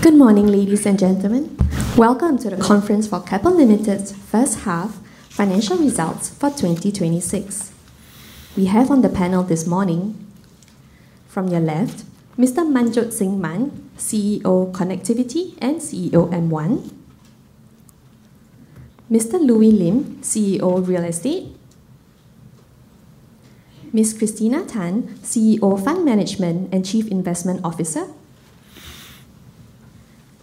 Good morning, ladies and gentlemen. Welcome to the conference for Keppel Limited's first half financial results for 2026. We have on the panel this morning, from your left, Mr. Manjot Singh Mann, CEO Connectivity and CEO M1; Mr. Louis Lim, CEO Real Estate; Ms. Christina Tan, CEO Fund Management and Chief Investment Officer;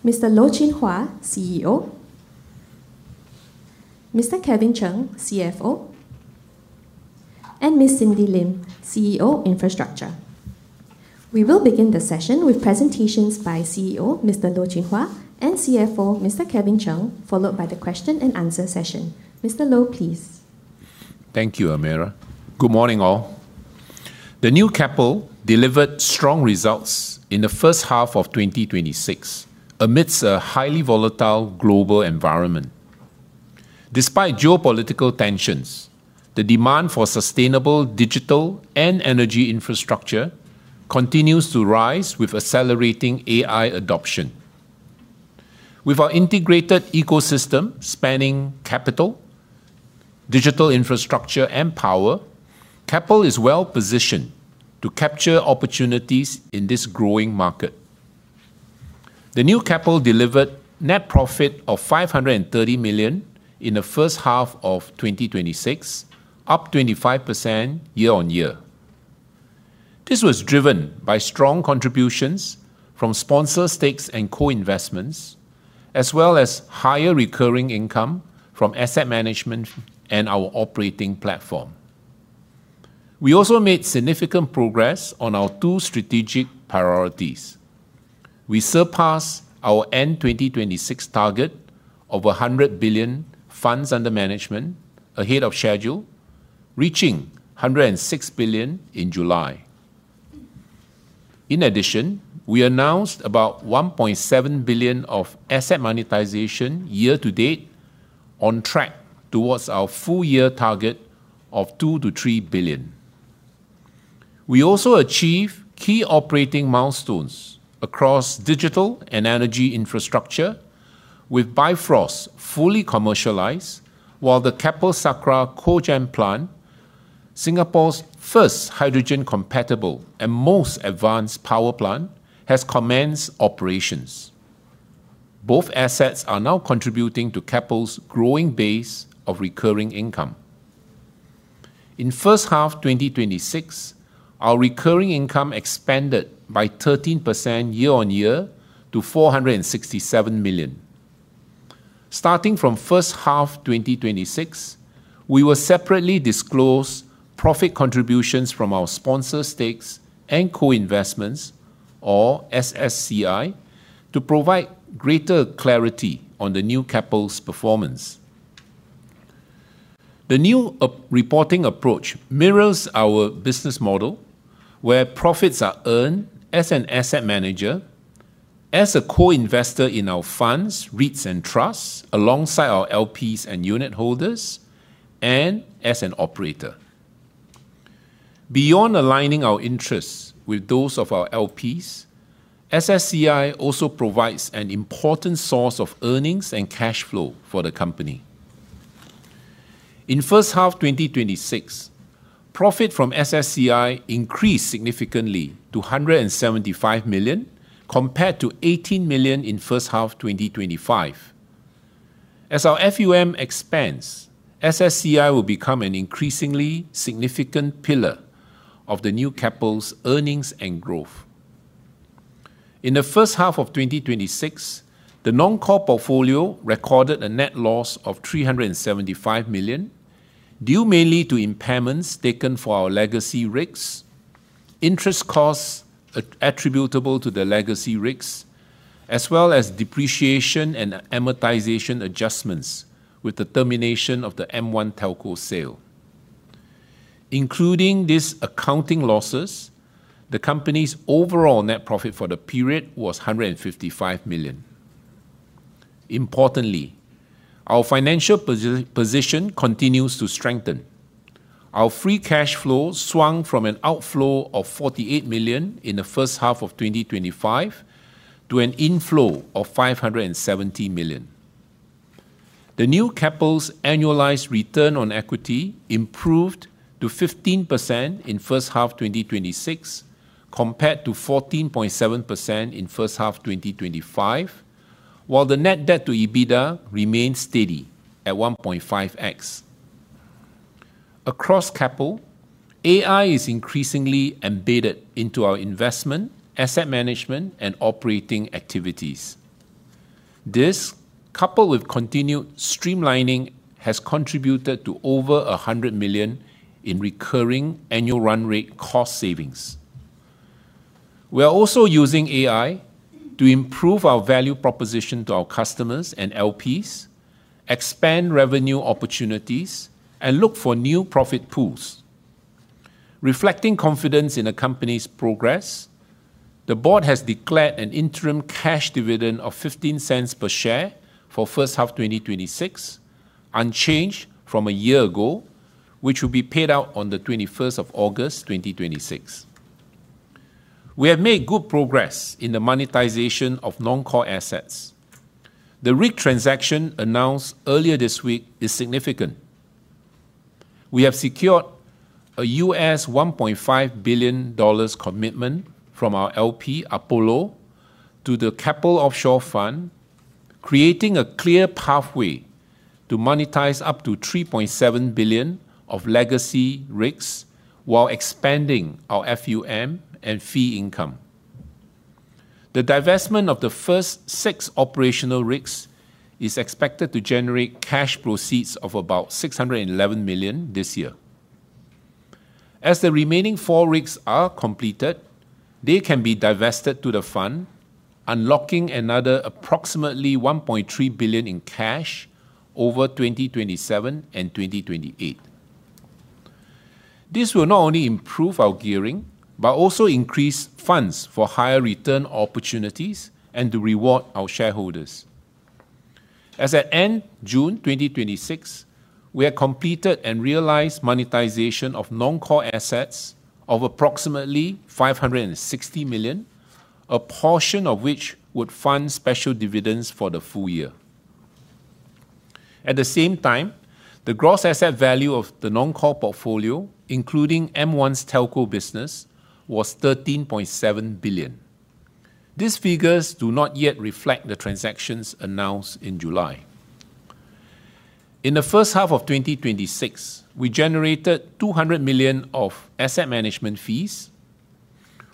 Mr. Loh Chin Hua, CEO; Mr. Kevin Chng, CFO; and Ms. Cindy Lim, CEO Infrastructure. We will begin the session with presentations by CEO Mr. Loh Chin Hua and CFO Mr. Kevin Chng, followed by the question and answer session. Mr. Loh, please. Thank you, Amira. Good morning, all. The new Keppel delivered strong results in the first half of 2026 amidst a highly volatile global environment. Despite geopolitical tensions, the demand for sustainable digital and energy infrastructure continues to rise with accelerating AI adoption. With our integrated ecosystem spanning capital, digital infrastructure, and power, Keppel is well-positioned to capture opportunities in this growing market. The new Keppel delivered net profit of 530 million in the first half of 2026, up 25% year-on-year. This was driven by strong contributions from sponsor stakes and co-investments, as well as higher recurring income from asset management and our operating platform. We also made significant progress on our two strategic priorities. We surpassed our end 2026 target of 100 billion funds under management ahead of schedule, reaching 106 billion in July. In addition, we announced about 1.7 billion of asset monetization year to date on track towards our full year target of 2 billion-3 billion. We also achieve key operating milestones across digital and energy infrastructure with Bifrost fully commercialized, while the Keppel Sakra Cogen Plant, Singapore's first hydrogen-compatible and most advanced power plant, has commenced operations. Both assets are now contributing to Keppel's growing base of recurring income. In first half 2026, our recurring income expanded by 13% year-on-year to 467 million. Starting from first half 2026, we will separately disclose profit contributions from our sponsor stakes and co-investments, or SSCI, to provide greater clarity on the new Keppel's performance. The new reporting approach mirrors our business model, where profits are earned as an asset manager, as a co-investor in our funds, REITs and trusts, alongside our LPs and unitholders, and as an operator. Beyond aligning our interests with those of our LPs, SSCI also provides an important source of earnings and cash flow for the company. In first half 2026, profit from SSCI increased significantly to 175 million compared to 18 million in first half 2025. As our FUM expands, SSCI will become an increasingly significant pillar of the new Keppel's earnings and growth. In the first half of 2026, the non-core portfolio recorded a net loss of 375 million due mainly to impairments taken for our legacy rigs, interest costs attributable to the legacy rigs, as well as depreciation and amortization adjustments with the termination of the M1 Telco sale. Including these accounting losses, the company's overall net profit for the period was SGD 155 million. Importantly, our financial position continues to strengthen. Our free cash flow swung from an outflow of 48 million in first half 2025 to an inflow of 570 million. The new Keppel's annualized return on equity improved to 15% in first half 2026 compared to 14.7% in first half 2025, while the net debt to EBITDA remains steady at 1.5x. Across Keppel, AI is increasingly embedded into our investment, asset management, and operating activities. This, coupled with continued streamlining, has contributed to over 100 million in recurring annual run rate cost savings. We are also using AI to improve our value proposition to our customers and LPs, expand revenue opportunities, and look for new profit pools. Reflecting confidence in the company's progress, the board has declared an interim cash dividend of 0.15 per share for first half 2026, unchanged from a year ago, which will be paid out on the 21st of August 2026. We have made good progress in the monetization of non-core assets. The rig transaction announced earlier this week is significant. We have secured a $1.5 billion commitment from our LP, Apollo, to the Keppel Offshore Fund, creating a clear pathway to monetize up to 3.7 billion of legacy rigs while expanding our FUM and fee income. The divestment of the first six operational rigs is expected to generate cash proceeds of about 611 million this year. As the remaining four rigs are completed, they can be divested to the fund, unlocking another approximately 1.3 billion in cash over 2027 and 2028. This will not only improve our gearing but also increase funds for higher return opportunities and to reward our shareholders. As at end June 2026, we have completed and realized monetization of non-core assets of approximately 560 million, a portion of which would fund special dividends for the full year. At the same time, the gross asset value of the non-core portfolio, including M1's Telco business, was SGD 13.7 billion. These figures do not yet reflect the transactions announced in July. In first half 2026, we generated 200 million of asset management fees.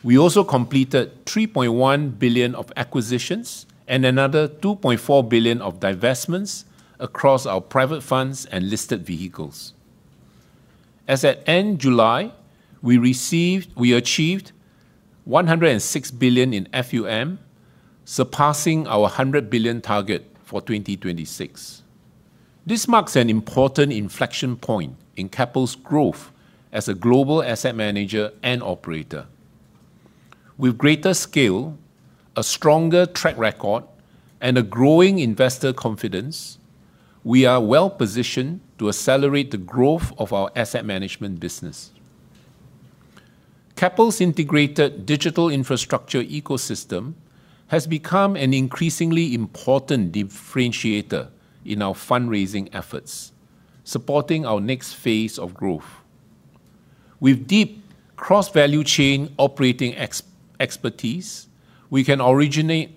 We also completed 3.1 billion of acquisitions and another 2.4 billion of divestments across our private funds and listed vehicles. As at end July, we achieved 106 billion in FUM, surpassing our 100 billion target for 2026. This marks an important inflection point in Keppel's growth as a global asset manager and operator. With greater scale, a stronger track record, and a growing investor confidence, we are well-positioned to accelerate the growth of our asset management business. Keppel's integrated digital infrastructure ecosystem has become an increasingly important differentiator in our fundraising efforts, supporting our next phase of growth. With deep cross-value chain operating expertise, we can originate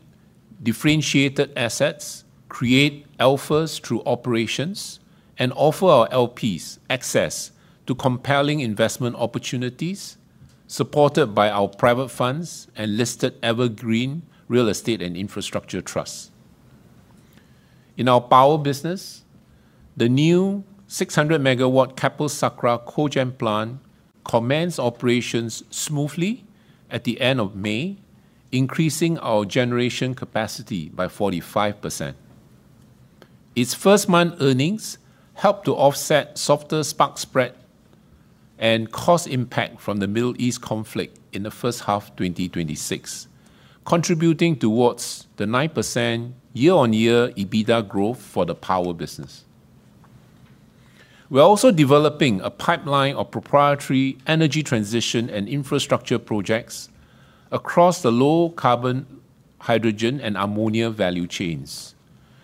differentiated assets, create alphas through operations, and offer our LPs access to compelling investment opportunities supported by our private funds and listed evergreen real estate and infrastructure trusts. In our power business, the new 600 MW Keppel Sakra Cogen Plant commenced operations smoothly at the end of May, increasing our generation capacity by 45%. Its first month earnings helped to offset softer spark spread and cost impact from the Middle East conflict in first half 2026, contributing towards the 9% year-on-year EBITDA growth for the power business. We are also developing a pipeline of proprietary energy transition and infrastructure projects across the low carbon, hydrogen, and ammonia value chains,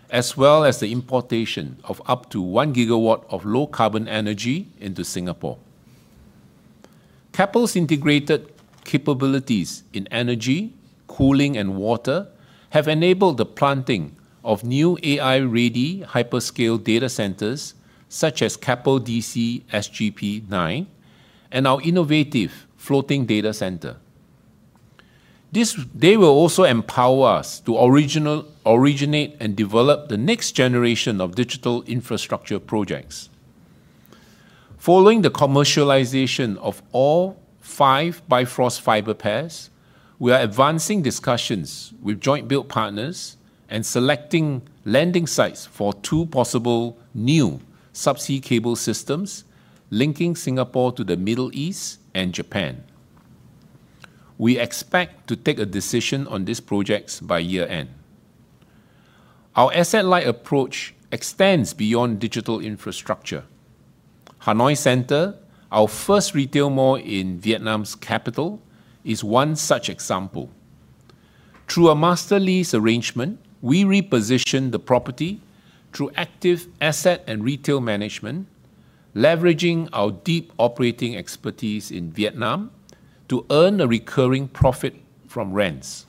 as well as the importation of up to 1 GW of low carbon energy into Singapore. Keppel's integrated capabilities in energy, cooling, and water have enabled the planting of new AI-ready hyperscale data centers, such as Keppel DC SGP 9 and our innovative floating data center. They will also empower us to originate and develop the next generation of digital infrastructure projects. Following the commercialization of all five Bifrost fiber pairs, we are advancing discussions with joint build partners and selecting landing sites for two possible new subsea cable systems linking Singapore to the Middle East and Japan. We expect to take a decision on these projects by year-end. Our asset-light approach extends beyond digital infrastructure. Hanoi Centre, our first retail mall in Vietnam's capital, is one such example. Through a master lease arrangement, we reposition the property through active asset and retail management, leveraging our deep operating expertise in Vietnam to earn a recurring profit from rents.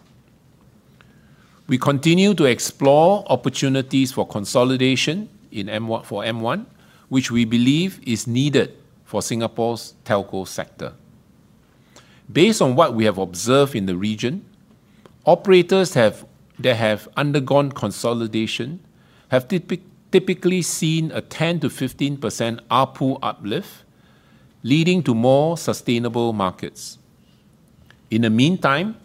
We continue to explore opportunities for consolidation for M1, which we believe is needed for Singapore's Telco sector. Based on what we have observed in the region, operators that have undergone consolidation have typically seen a 10%-15% ARPU uplift, leading to more sustainable markets. In the meantime,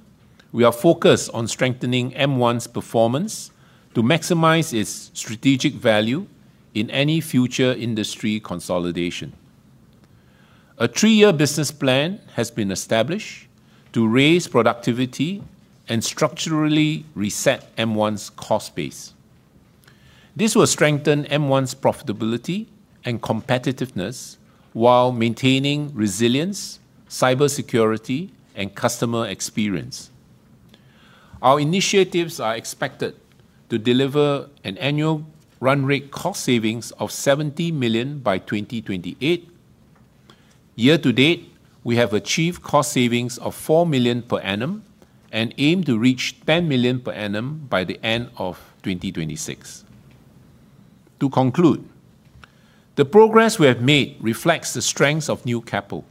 we are focused on strengthening M1's performance to maximize its strategic value in any future industry consolidation. A three-year business plan has been established to raise productivity and structurally reset M1's cost base. This will strengthen M1's profitability and competitiveness while maintaining resilience, cybersecurity, and customer experience. Our initiatives are expected to deliver an annual run rate cost savings of 70 million by 2028. Year to date, we have achieved cost savings of 4 million per annum and aim to reach 10 million per annum by the end of 2026. To conclude, the progress we have made reflects the strengths of new Keppel.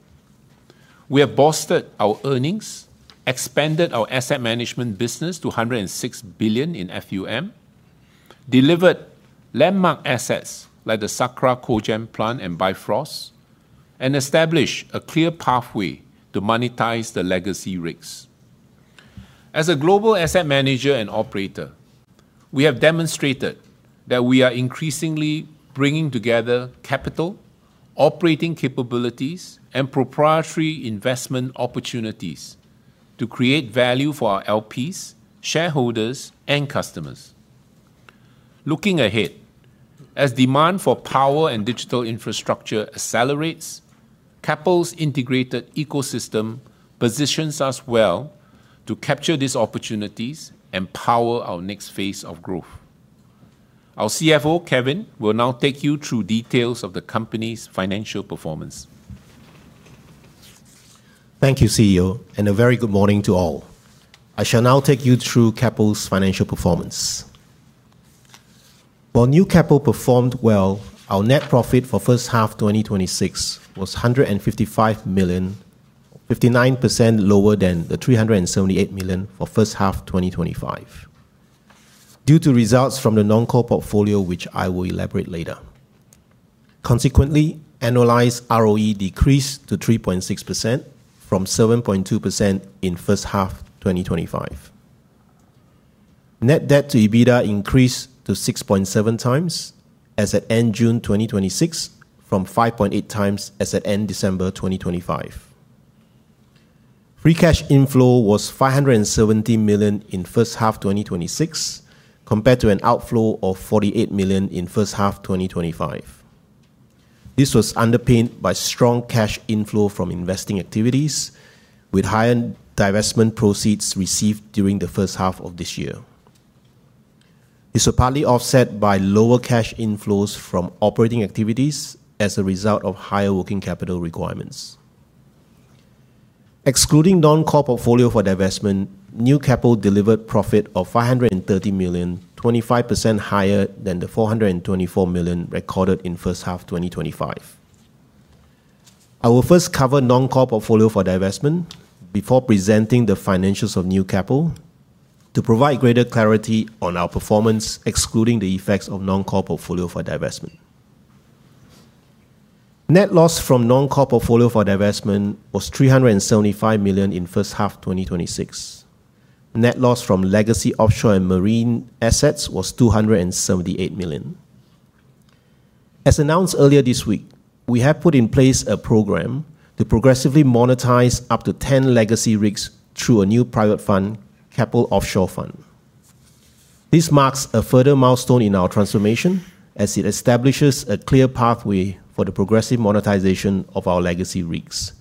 We have bolstered our earnings, expanded our asset management business to 106 billion in FUM, delivered landmark assets like the Keppel Sakra Cogen Plant and Bifrost, and established a clear pathway to monetize the legacy rigs. As a global asset manager and operator, we have demonstrated that we are increasingly bringing together capital, operating capabilities, and proprietary investment opportunities to create value for our LPs, shareholders and customers. Looking ahead, as demand for power and digital infrastructure accelerates, Keppel's integrated ecosystem positions us well to capture these opportunities and power our next phase of growth. Our CFO, Kevin, will now take you through details of the company's financial performance. Thank you, CEO, and a very good morning to all. I shall now take you through Keppel's financial performance. While New Keppel performed well, our net profit for first half 2026 was 155 million, 59% lower than the 378 million for first half 2025 due to results from the non-core portfolio, which I will elaborate later. Consequently, annualized ROE decreased to 3.6% from 7.2% in first half 2025. Net debt to EBITDA increased to 6.7x as at end June 2026 from 5.8x as at end December 2025. Free cash inflow was 570 million in first half 2026, compared to an outflow of 48 million in first half 2025. This was underpinned by strong cash inflow from investing activities with higher divestment proceeds received during the first half of this year. This was partly offset by lower cash inflows from operating activities as a result of higher working capital requirements. Excluding non-core portfolio for divestment, New Keppel delivered profit of 530 million, 25% higher than the 424 million recorded in first half 2025. I will first cover non-core portfolio for divestment before presenting the financials of New Keppel to provide greater clarity on our performance excluding the effects of non-core portfolio for divestment. Net loss from non-core portfolio for divestment was 375 million in first half 2026. Net loss from legacy offshore and marine assets was 278 million. As announced earlier this week, we have put in place a program to progressively monetize up to 10 legacy rigs through a new private fund, Keppel Offshore Fund. This marks a further milestone in our transformation as it establishes a clear pathway for the progressive monetization of our legacy rigs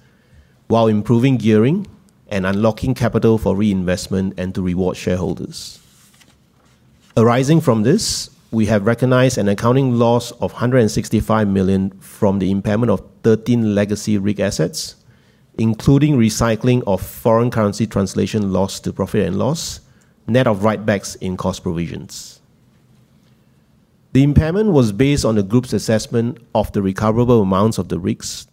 while improving gearing and unlocking capital for reinvestment and to reward shareholders. Arising from this, we have recognized an accounting loss of 165 million from the impairment of 13 legacy rig assets, including recycling of foreign currency translation loss to profit and loss, net of write-backs in cost provisions. The impairment was based on the group's assessment of the recoverable amounts of the rigs,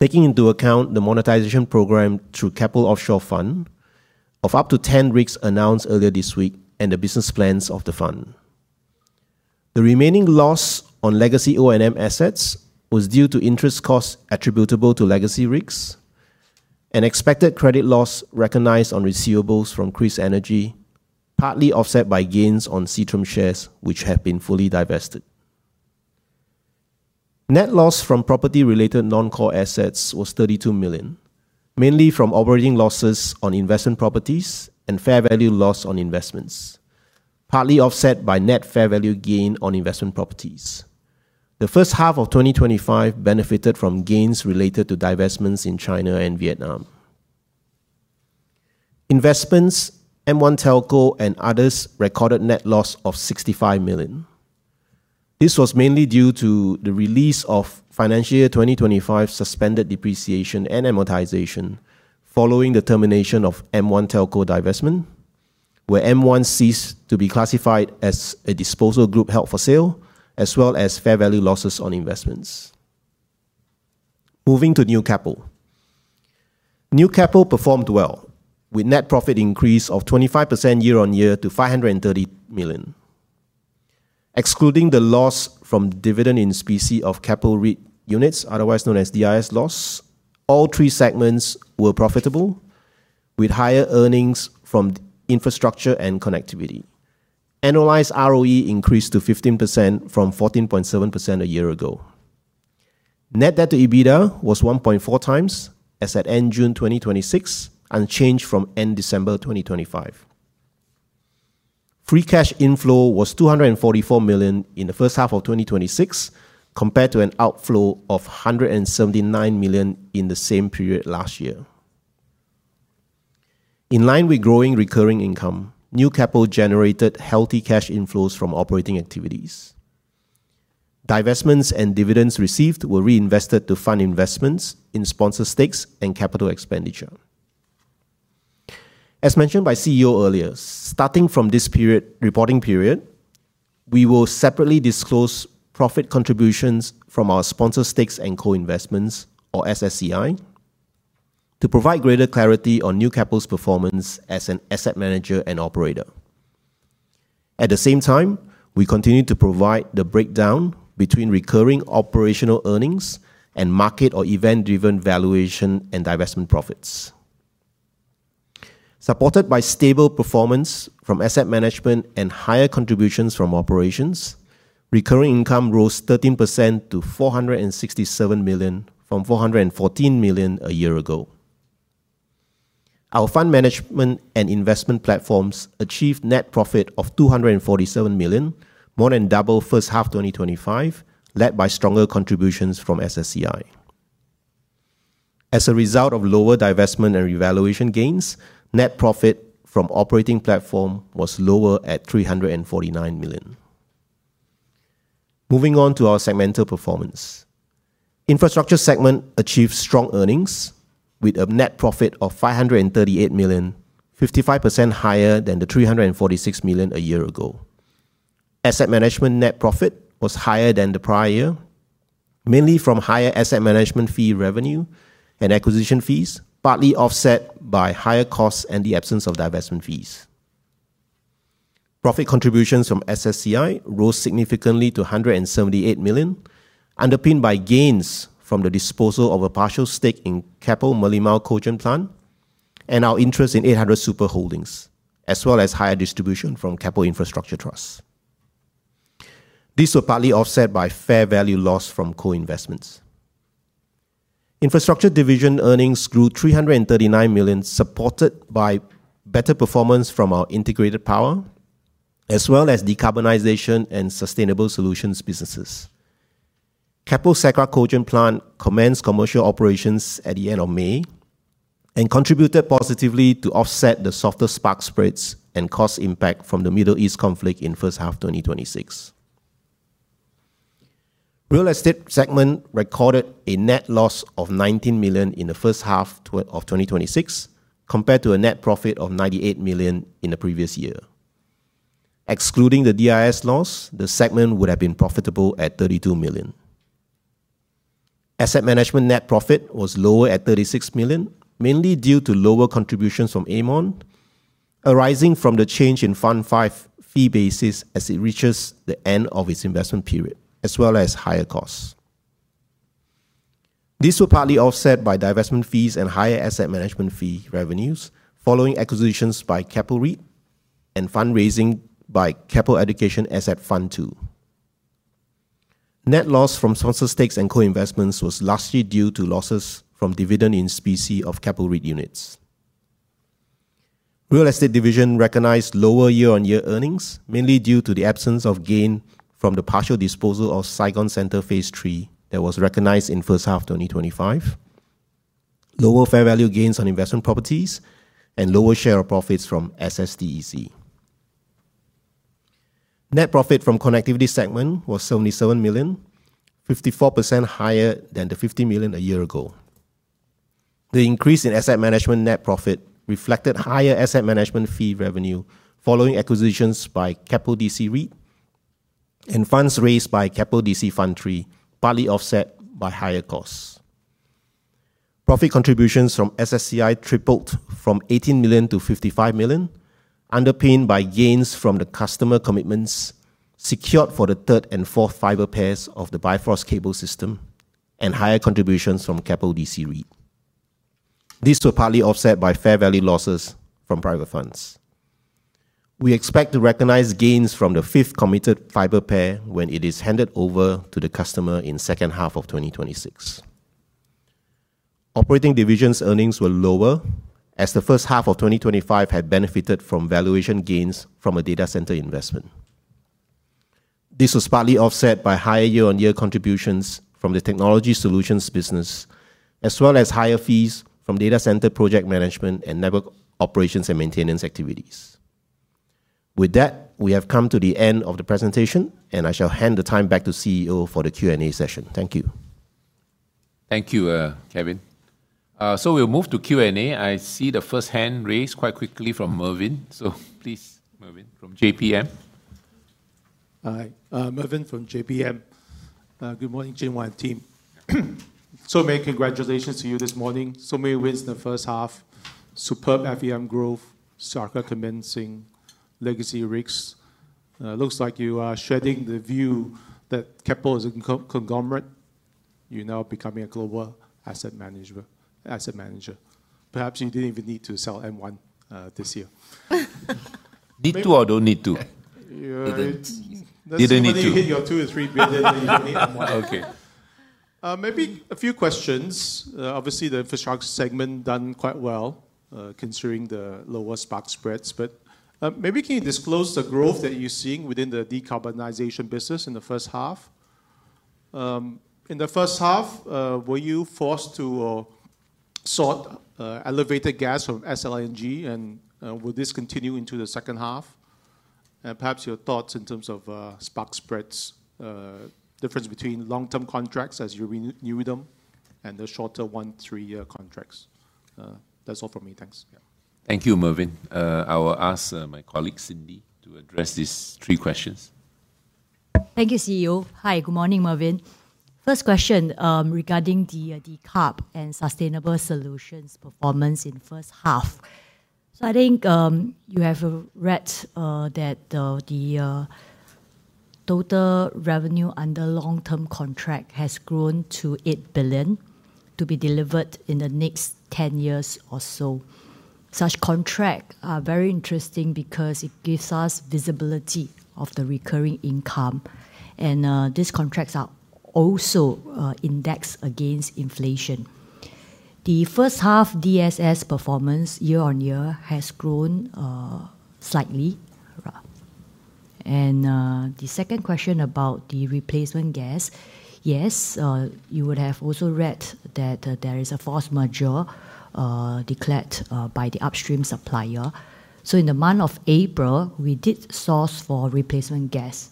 taking into account the monetization program through Keppel Offshore Fund of up to 10 rigs announced earlier this week and the business plans of the fund. The remaining loss on legacy O&M assets was due to interest costs attributable to legacy rigs and expected credit loss recognized on receivables from KrisEnergy, partly offset by gains on Seatrium shares which have been fully divested. Net loss from property-related non-core assets was 32 million, mainly from operating losses on investment properties and fair value loss on investments, partly offset by net fair value gain on investment properties. The first half of 2025 benefited from gains related to divestments in China and Vietnam. Investments, M1 Telco, and others recorded net loss of 65 million. This was mainly due to the release of financial year 2025 suspended depreciation and amortization following the termination of M1 Telco divestment, where M1 ceased to be classified as a disposal group held for sale, as well as fair value losses on investments. Moving to New Keppel. New Keppel performed well, with net profit increase of 25% year-on-year to 530 million. Excluding the loss from dividend in specie of Keppel REIT units, otherwise known as DIS loss, all three segments were profitable with higher earnings from infrastructure and connectivity. Annualized ROE increased to 15% from 14.7% a year ago. Net debt to EBITDA was 1.4x as at end June 2026, unchanged from end December 2025. Free cash inflow was SGD 244 million in the first half of 2026, compared to an outflow of SGD 179 million in the same period last year. In line with growing recurring income, New Keppel generated healthy cash inflows from operating activities. Divestments and dividends received were reinvested to fund investments in sponsor stakes and capital expenditure. As mentioned by CEO earlier, starting from this reporting period, we will separately disclose profit contributions from our sponsor stakes and co-investments, or SSCI, to provide greater clarity on Keppel's performance as an asset manager and operator. At the same time, we continue to provide the breakdown between recurring operational earnings and market or event-driven valuation and divestment profits. Supported by stable performance from asset management and higher contributions from operations, recurring income rose 13% to 467 million from 414 million a year ago. Our fund management and investment platforms achieved net profit of 247 million, more than double first half 2025, led by stronger contributions from SSCI. As a result of lower divestment and revaluation gains, net profit from operating platform was lower at 349 million. Moving on to our segmental performance. Infrastructure segment achieved strong earnings with a net profit of 538 million, 55% higher than the 346 million a year ago. Asset management net profit was higher than the prior year, mainly from higher asset management fee revenue and acquisition fees, partly offset by higher costs and the absence of divestment fees. Profit contributions from SSCI rose significantly to 178 million, underpinned by gains from the disposal of a partial stake in Keppel Merlimau Plant, and our interest in 800 Super Holdings, as well as higher distribution from Keppel Infrastructure Trust. These were partly offset by fair value loss from co-investments. Infrastructure division earnings grew 339 million, supported by better performance from our integrated power, as well as decarbonization and sustainable solutions businesses. Keppel Sakra Cogen Plant commenced commercial operations at the end of May, and contributed positively to offset the softer spark spreads and cost impact from the Middle East conflict in first half 2026. Real estate segment recorded a net loss of 19 million in the first half of 2026, compared to a net profit of 98 million in the previous year. Excluding the DIS loss, the segment would have been profitable at SGD 32 million. Asset management net profit was lower at SGD 36 million, mainly due to lower contributions from Aermont, arising from the change in Fund V fee basis as it reaches the end of its investment period, as well as higher costs. These were partly offset by divestment fees and higher asset management fee revenues following acquisitions by Keppel REIT and fundraising by Keppel Education Asset Fund II. Net loss from sponsor stakes and co-investments was largely due to losses from dividend in specie of Keppel REIT units. Real estate division recognized lower year-on-year earnings, mainly due to the absence of gain from the partial disposal of Saigon Centre Phase III that was recognized in first half 2025, lower fair value gains on investment properties, and lower share of profits from SSDC. Net profit from connectivity segment was 77 million, 54% higher than the 50 million a year ago. The increase in asset management net profit reflected higher asset management fee revenue following acquisitions by Keppel DC REIT and funds raised by Keppel Data Centre Fund III, partly offset by higher costs. Profit contributions from SSCI tripled from 18 million-55 million, underpinned by gains from the customer commitments secured for the third and fourth fiber pairs of the Bifrost Cable System and higher contributions from Keppel DC REIT. These were partly offset by fair value losses from private funds. We expect to recognize gains from the fifth committed fiber pair when it is handed over to the customer in second half of 2026. Operating divisions earnings were lower as the first half of 2025 had benefited from valuation gains from a data center investment. This was partly offset by higher year-on-year contributions from the technology solutions business, as well as higher fees from data center project management and network operations and maintenance activities. With that, we have come to the end of the presentation, and I shall hand the time back to CEO for the Q&A session. Thank you. Thank you, Kevin. We'll move to Q&A. I see the first hand raised quite quickly from Mervin. Please, Mervin from JPM. Hi. Mervin from JPM. Good morning. [inaudible] Many congratulations to you this morning. Many wins in the first half. Superb FUM growth, Sakra commencing, legacy rigs. Looks like you are shedding the view that Keppel is a conglomerate. You're now becoming a global asset manager. Perhaps you didn't even need to sell M1 this year. Need to or don't need to? You're- Didn't need to. Let's see when you hit your 2 billion or 3 billion, you don't need M1. Okay. Maybe a few questions. Obviously, the infrastructure segment done quite well, considering the lower spark spreads. Maybe can you disclose the growth that you're seeing within the decarbonization business in the first half? In the first half, were you forced to sort elevated gas from SLNG? Will this continue into the second half? Perhaps your thoughts in terms of spark spreads, difference between long-term contracts as you renew them, and the shorter one, three-year contracts. That's all from me. Thanks. Yeah. Thank you, Mervin. I will ask my colleague Cindy to address these three questions. Thank you, CEO. Hi, good morning, Mervin. First question regarding the decarb and sustainable solutions performance in first half. I think, you have read that the total revenue under long-term contract has grown to 8 billion, to be delivered in the next 10 years or so. Such contract are very interesting because it gives us visibility of the recurring income. These contracts are also indexed against inflation. The first half DSS performance year-over-year has grown slightly. The second question about the replacement gas. Yes, you would have also read that there is a force majeure declared by the upstream supplier. In the month of April, we did source for replacement gas.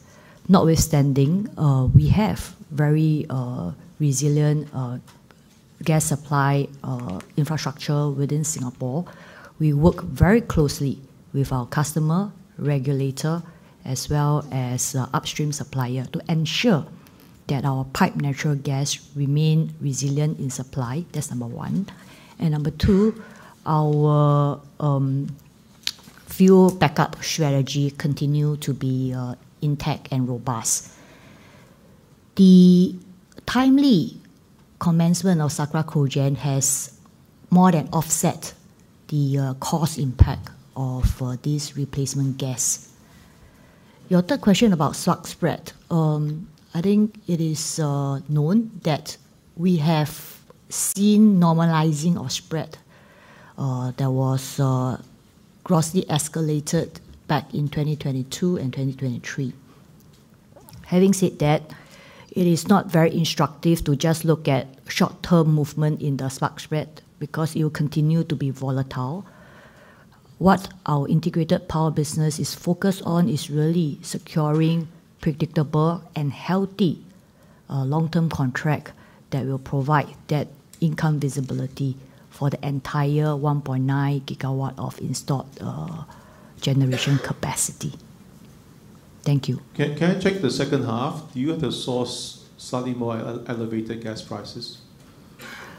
Notwithstanding, we have very resilient gas supply infrastructure within Singapore. We work very closely with our customer, regulator, as well as upstream supplier to ensure that our pipe natural gas remain resilient in supply. That's number one and number 2, our fuel backup strategy continue to be intact and robust. The timely commencement of Sakra Cogen has more than offset the cost impact of this replacement gas. Your third question about spark spread. I think it is known that we have seen normalizing of spread that was grossly escalated back in 2022 and 2023. Having said that, it is not very instructive to just look at short-term movement in the spark spread because it will continue to be volatile. What our integrated power business is focused on is really securing predictable and healthy long-term contract that will provide that income visibility for the entire 1.9 GW of installed generation capacity. Thank you. Can I check the second half? Do you have to source slightly more elevated gas prices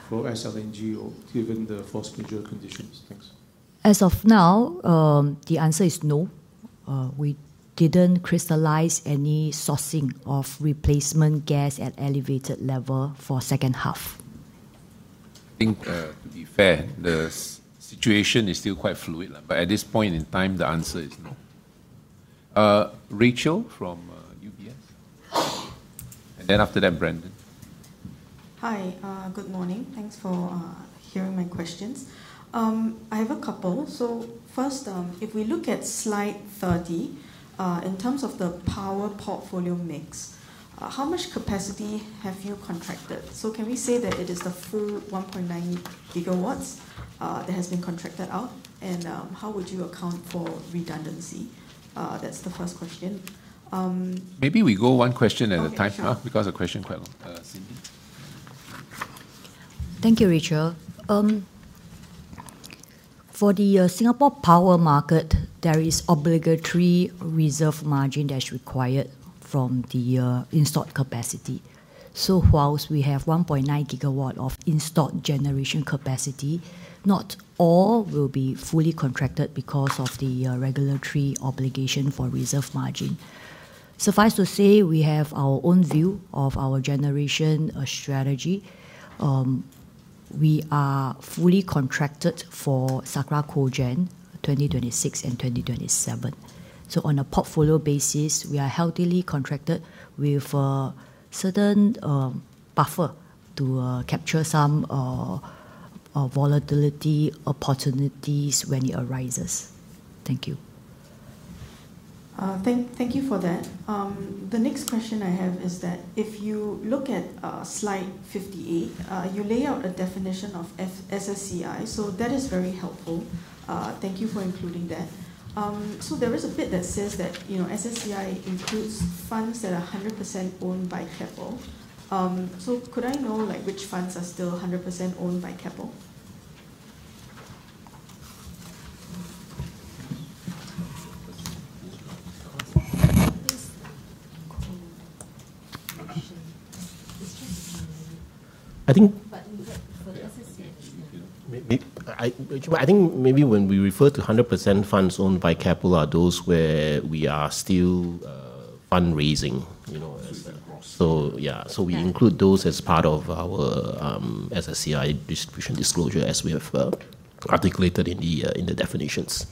for SLNG or given the force majeure conditions? Thanks. As of now, the answer is no. We didn't crystallize any sourcing of replacement gas at elevated level for second half. I think, to be fair, the situation is still quite fluid. At this point in time, the answer is no. Rachael from UBS. Then after that, Brandon. Hi, good morning. Thanks for hearing my questions. I have a couple. First, if we look at slide 30, in terms of the power portfolio mix, how much capacity have you contracted? Can we say that it is the full 1.9 GW that has been contracted out? How would you account for redundancy? That's the first question. Maybe we go one question at a time. Okay, sure. The question quite long. Cindy. Thank you, Rachael. For the Singapore power market, there is obligatory reserve margin that's required from the installed capacity. Whilst we have 1.9 GW of installed generation capacity, not all will be fully contracted because of the regulatory obligation for reserve margin. Suffice to say, we have our own view of our generation strategy. We are fully contracted for Sakra Cogen 2026 and 2027. On a portfolio basis, we are healthily contracted with certain buffer to capture some volatility opportunities when it arises. Thank you. Thank you for that. The next question I have is that if you look at slide 58, you lay out a definition of SSCI, that is very helpful. Thank you for including that. There is a bit that says that SSCI includes funds that are 100% owned by Keppel. Could I know which funds are still 100% owned by Keppel? I think I think maybe when we refer to 100% funds owned by Keppel are those where we are still fundraising. Through that process. Yeah. We include those as part of our SSCI distribution disclosure, as we have articulated in the definitions.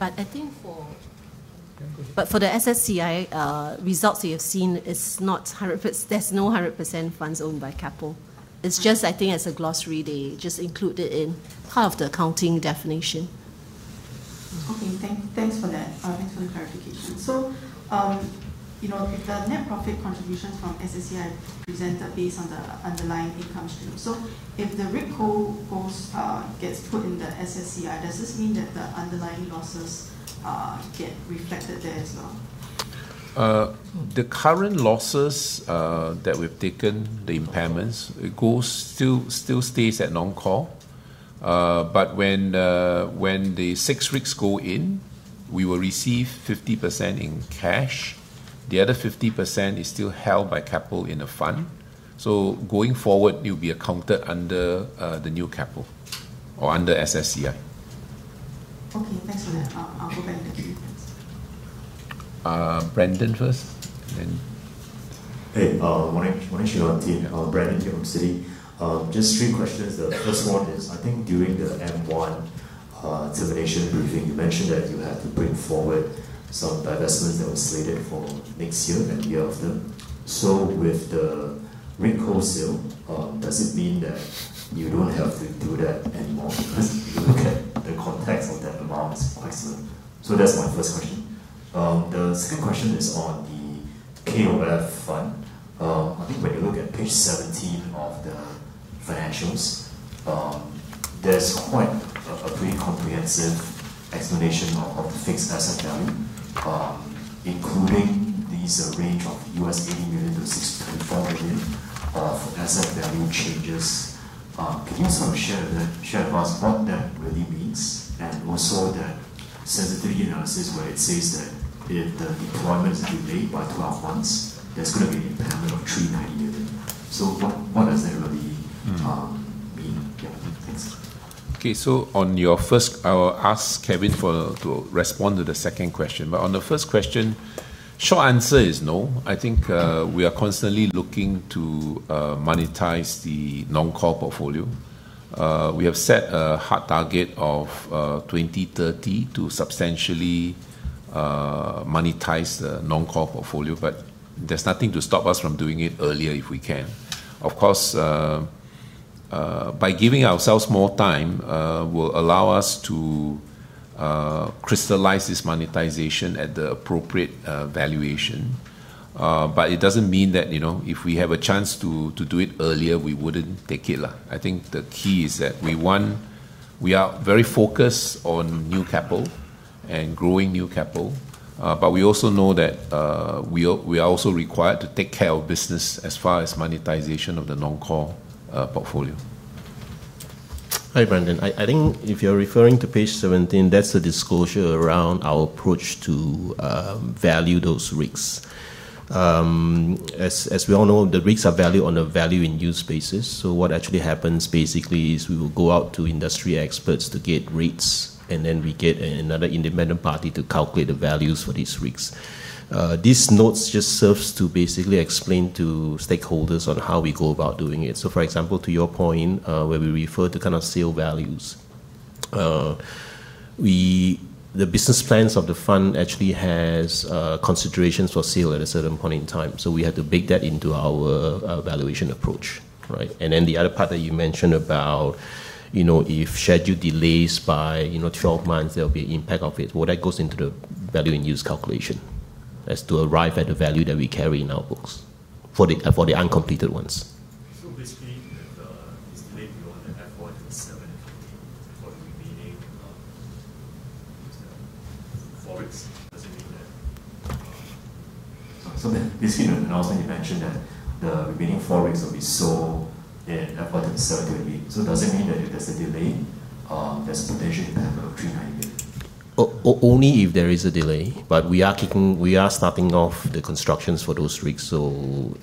I think for the SSCI results that you've seen, there's no 100% funds owned by Keppel. It's just, I think as a glossary, they just include it in part of the accounting definition. Okay, thanks for that. Thanks for the clarification. The net profit contributions from SSCI presented based on the underlying income stream. If the Rigco goes, gets put in the SSCI, does this mean that the underlying losses get reflected there as well? The current losses that we've taken, the impairments, it still stays at non-core. When the six rigs go in, we will receive 50% in cash. The other 50% is still held by Keppel in a fund. Going forward, it will be accounted under the new Keppel or under SSCI. Okay. Thanks for that. I'll go back to the queue. Thanks. Brandon first, then Morning, [inaudible] and team. Brandon Lee from Citi. Just three questions. The first one is, I think during the M1 termination briefing, you mentioned that you have to bring forward some divestment that was slated for next year, and the year after. With the Rigco sale, does it mean that you don't have to do that anymore? If you look at the context of that amount, it's quite similar. That's my first question. The second question is on the KOF fund. I think when you look at page 17 of the financials, there's quite a pretty comprehensive explanation of the fixed asset value, including this range of $80 million-$64 million of asset value changes. Can you share with us what that really means? Also the sensitivity analysis where it says that if the deployment is delayed by 12 months, there's going to be an impairment of 390 million. What does that really mean, Thanks. Okay. On your first, I will ask Kevin to respond to the second question. On the first question, short answer is no. We are constantly looking to monetize the non-core portfolio. We have set a hard target of 2030 to substantially monetize the non-core portfolio, there's nothing to stop us from doing it earlier if we can. Of course, by giving ourselves more time, will allow us to crystallize this monetization at the appropriate valuation. It doesn't mean that if we have a chance to do it earlier, we wouldn't take it. The key is that we, one, we are very focused on new capital and growing new capital. We also know that we are also required to take care of business as far as monetization of the non-core portfolio. Hi, Brandon. I think if you're referring to page 17, that's the disclosure around our approach to value those rigs. As we all know, the rigs are valued on a value in use basis. What actually happens, basically, is we will go out to industry experts to get rates, and then we get another independent party to calculate the values for these rigs. These notes just serves to basically explain to stakeholders on how we go about doing it. For example, to your point, where we refer to kind of sale values, the business plans of the fund actually has considerations for sale at a certain point in time. We have to bake that into our valuation approach. Right? The other part that you mentioned about if scheduled delays by 12 months, there'll be impact of it. Well, that goes into the Value in use calculation, as to arrive at the value that we carry in our books for the uncompleted ones. Basically, if there's a delay beyond the F1 2026 for the remaining, what is that? four rigs, does it mean that Sorry. Basically in the announcement you mentioned that the remaining four rigs will be sold in F1 2026. Does it mean that if there's a delay, there's potential impairment of 390 million? Only if there is a delay, we are starting off the constructions for those rigs.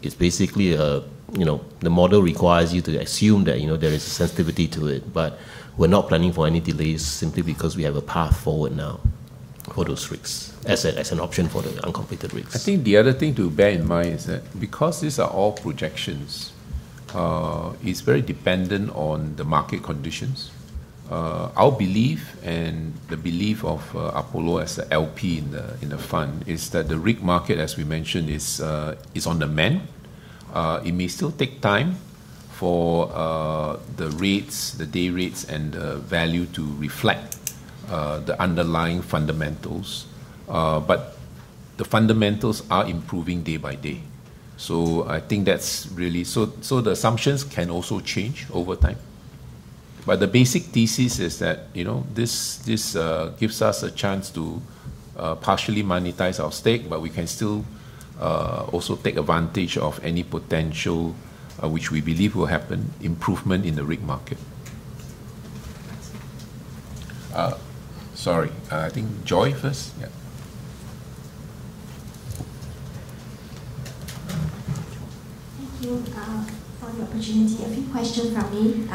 It's basically, the model requires you to assume that there is a sensitivity to it. We're not planning for any delays simply because we have a path forward now for those rigs as an option for the uncompleted rigs. I think the other thing to bear in mind is that because these are all projections, it's very dependent on the market conditions. Our belief and the belief of Apollo as the LP in the fund is that the rig market, as we mentioned, is on the mend. It may still take time for the rates, the day rates, and the value to reflect the underlying fundamentals. The fundamentals are improving day by day. I think that's really. The assumptions can also change over time. The basic thesis is that this gives us a chance to partially monetize our stake, but we can still also take advantage of any potential, which we believe will happen, improvement in the rig market. Thanks. Sorry, I think Joy first. Yeah Thank you for the opportunity. A few questions from me.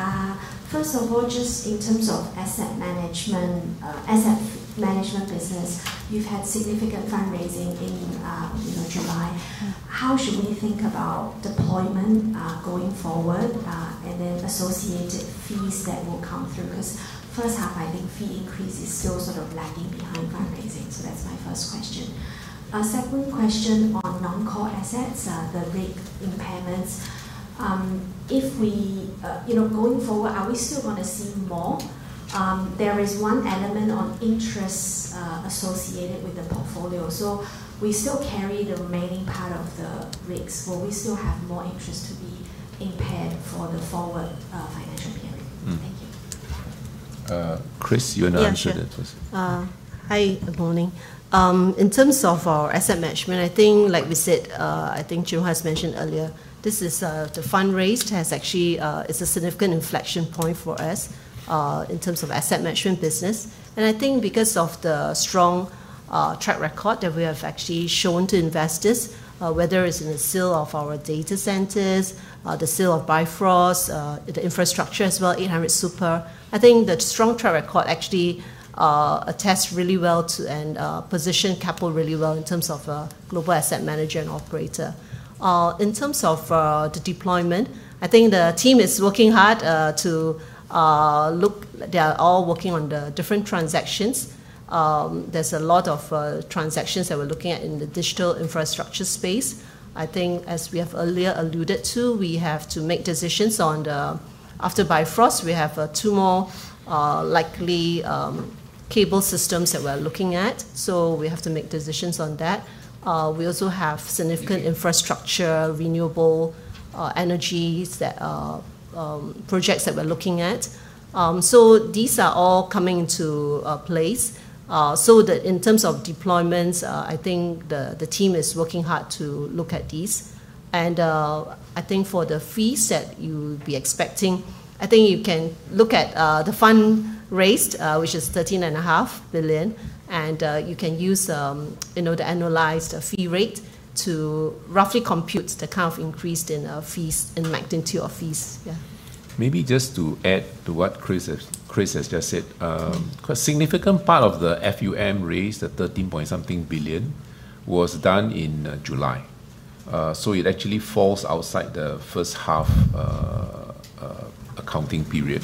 First of all, just in terms of asset management business, you've had significant fundraising in July. How should we think about deployment going forward, and then associated fees that will come through? First half, I think fee increase is still sort of lagging behind fundraising. That's my first question. Second question on non-core assets, the rig impairments. Going forward, are we still going to see more? There is one element on interests associated with the portfolio. We still carry the remaining part of the rigs, will we still have more interest to be impaired for the forward financial period? Thank you. Chris, you want to answer that first? Yeah, sure. Hi, good morning. In terms of our asset management, like we said, I think Joy has mentioned earlier, the fund raised is a significant inflection point for us in terms of asset management business. Because of the strong track record that we have actually shown to investors, whether it is in the sale of our data centers or the sale of Bifrost, the infrastructure as well, 800 Super. I think the strong track record actually attests really well to and position Keppel really well in terms of a global asset manager and operator. In terms of the deployment, I think the team is working hard. They are all working on the different transactions. There is a lot of transactions that we are looking at in the digital infrastructure space. As we have earlier alluded to, we have to make decisions on the, after Bifrost, we have two more likely cable systems that we are looking at. We have to make decisions on that. We also have significant infrastructure, renewable energy projects that we are looking at. These are all coming into place. That in terms of deployments, I think the team is working hard to look at these. For the fees that you would be expecting, I think you can look at the fund raised, which is 13.5 billion, and you can use the annualized fee rate to roughly compute the kind of increase in magnitude of fees. Yeah. Maybe just to add to what Chris has just said. A significant part of the FUM raised, the 13 point something billion, was done in July. It actually falls outside the first half accounting period.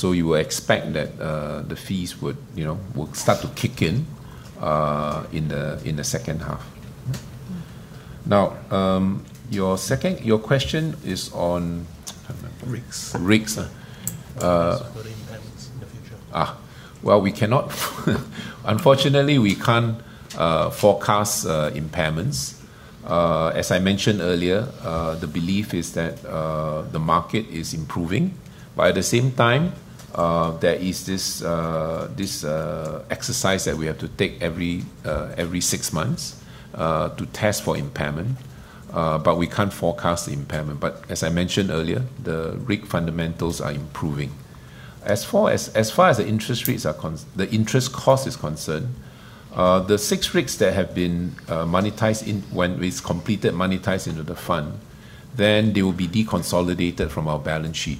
You would expect that the fees would start to kick in in the second half. Your question is on. Rigs rigs. Further impairments in the future. Well, unfortunately, we can't forecast impairments. As I mentioned earlier, the belief is that the market is improving. At the same time, there is this exercise that we have to take every six months, to test for impairment. We can't forecast the impairment. As I mentioned earlier, the rig fundamentals are improving. As far as the interest cost is concerned, the six rigs that have been completed, monetized into the fund, then they will be deconsolidated from our balance sheet.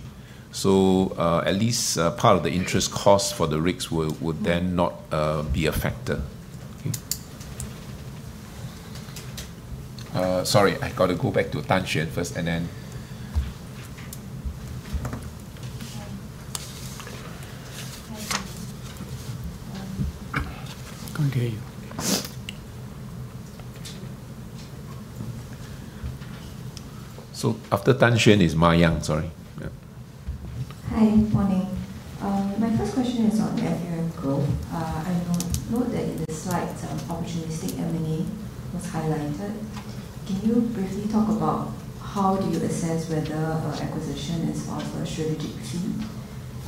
At least part of the interest cost for the rigs would then not be a factor. Sorry, I got to go back to Tan Xuan first and then Can't hear you. After Tan Xuan is Mayang. Sorry. Yeah. Hi. Morning. My first question is on the FUM growth. I note that in the slides, opportunistic M&A was highlighted. Can you briefly talk about how do you assess whether an acquisition is part of a strategic theme,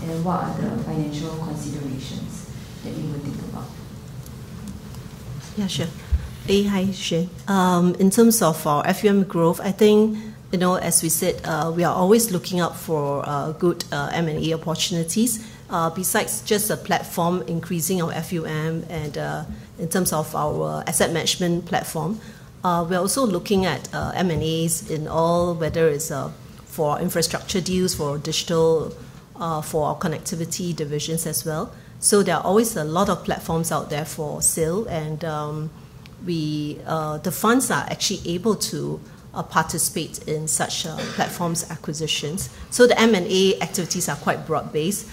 and what are the financial considerations that you would think about? Yeah, sure. Hi, Xuan. In terms of our FUM growth, I think, as we said, we are always looking out for good M&A opportunities. Besides just the platform increasing our FUM and in terms of our asset management platform, we are also looking at M&As in all, whether it is for infrastructure deals, for digital, for our connectivity divisions as well. There are always a lot of platforms out there for sale. The funds are actually able to participate in such platforms acquisitions. The M&A activities are quite broad based.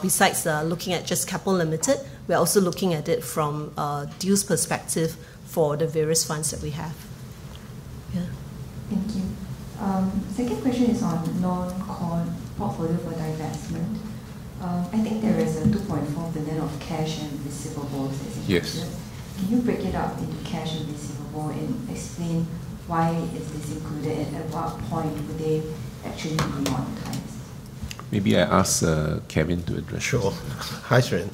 Besides looking at just Keppel Limited, we are also looking at it from a deals perspective for the various funds that we have. Yeah. Thank you. Second question is on non-core portfolio for divestment. I think there is a 2.4 billion of cash and receivable as invested. Yes. Can you break it up into cash and receivable and explain why it is included and at what point would they actually be monetized? Maybe I ask Kevin to address this. Sure. Hi, Xuan.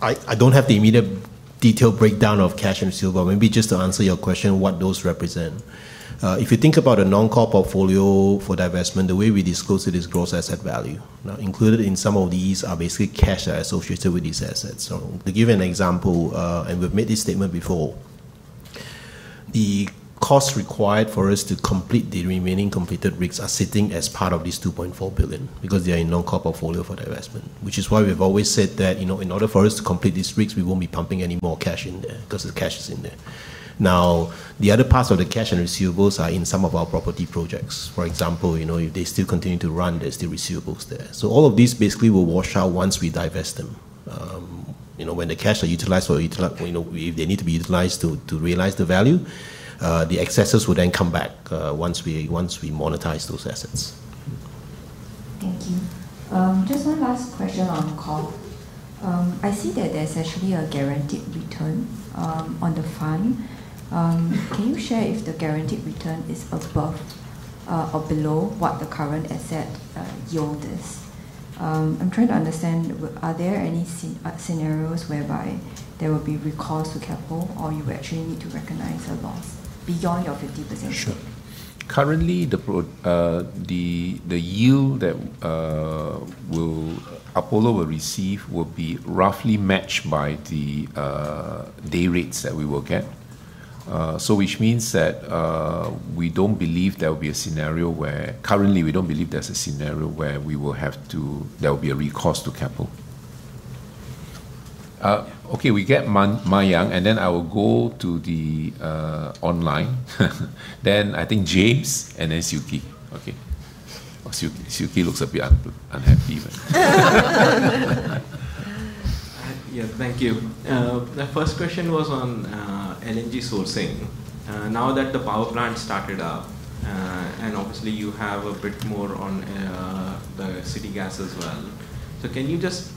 I don't have the immediate detailed breakdown of cash and receivable. Maybe just to answer your question, what those represent. If you think about a non-core portfolio for divestment, the way we disclose it is gross asset value. Included in some of these are basically cash that are associated with these assets. To give you an example, and we've made this statement before The costs required for us to complete the remaining completed rigs are sitting as part of this 2.4 billion because they are in non-core portfolio for divestment. Which is why we've always said that in order for us to complete these rigs, we won't be pumping any more cash in there because the cash is in there. The other parts of the cash and receivables are in some of our property projects. For example, if they still continue to run, there's still receivables there. All of these basically will wash out once we divest them. When the cash they need to be utilized to realize the value, the excesses will then come back once we monetize those assets. Thank you. Just one last question on KOF. I see that there's actually a guaranteed return on the fund. Can you share if the guaranteed return is above or below what the current asset yield is? I'm trying to understand, are there any scenarios whereby there will be recourse to Keppel, or you would actually need to recognize a loss beyond your 50%? Sure. Currently, the yield that Apollo will receive will be roughly matched by the day rates that we will get. Which means that currently we don't believe there's a scenario where there will be a recourse to Keppel. We get Mayang, and then I will go to the online. Then I think James, and then Suki. Suki looks a bit unhappy. Yeah, thank you. The first question was on LNG sourcing. Now that the power plant started up, and obviously you have a bit more on the city gas as well. Can you just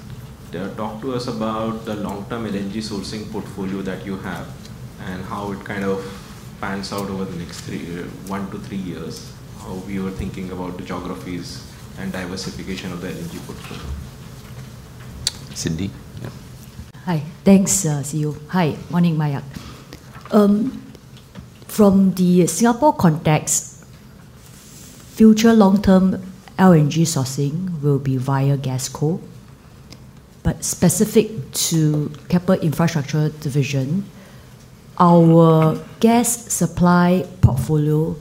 talk to us about the long-term LNG sourcing portfolio that you have and how it kind of pans out over the next one to three years? How you are thinking about the geographies and diversification of the LNG portfolio? Cindy? Yeah. Hi. Thanks, Siyu. Hi. Morning, Mayang. From the Singapore context, future long-term LNG sourcing will be via GasCo. Specific to Keppel Infrastructure division, our gas supply portfolio,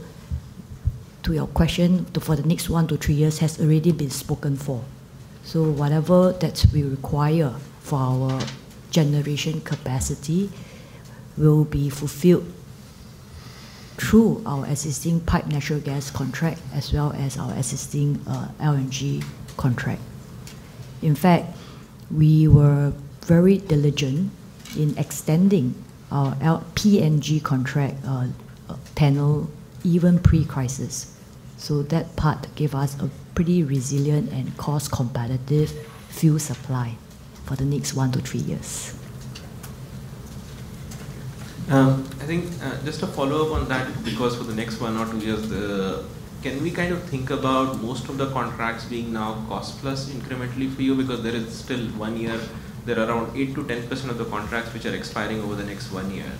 to your question, for the next one to three years has already been spoken for. Whatever that we require for our generation capacity will be fulfilled through our existing piped natural gas contract as well as our existing LNG contract. In fact, we were very diligent in extending our PNG contract panel, even pre-crisis. That part gave us a pretty resilient and cost-competitive fuel supply for the next one to three years. I think just to follow up on that because for the next one or two years, can we kind of think about most of the contracts being now cost plus incrementally for you? There is still one year, there are around 8%-10% of the contracts which are expiring over the next one year.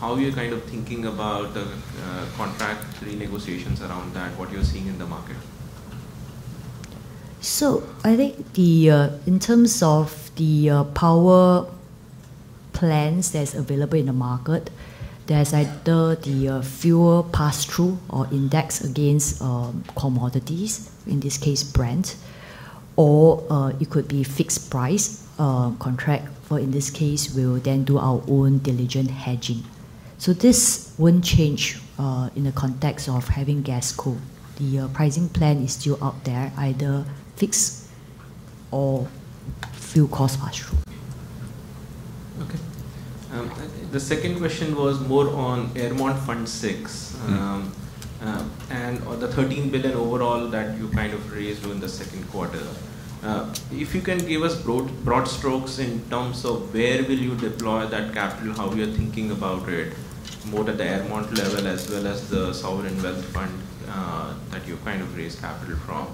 How you're kind of thinking about the contract renegotiations around that, what you're seeing in the market? I think in terms of the power plans that's available in the market, there's either the fuel pass-through or index against commodities, in this case Brent, or it could be fixed price contract. In this case, we will then do our own diligent hedging. This won't change, in the context of having GasCo. The pricing plan is still out there, either fixed or fuel cost pass-through. Okay. The second question was more on Aermont Fund VI. On the 13 billion overall that you raised during the second quarter. If you can give us broad strokes in terms of where will you deploy that capital? How you're thinking about it more at the Aermont level as well as the sovereign wealth fund that you raised capital from?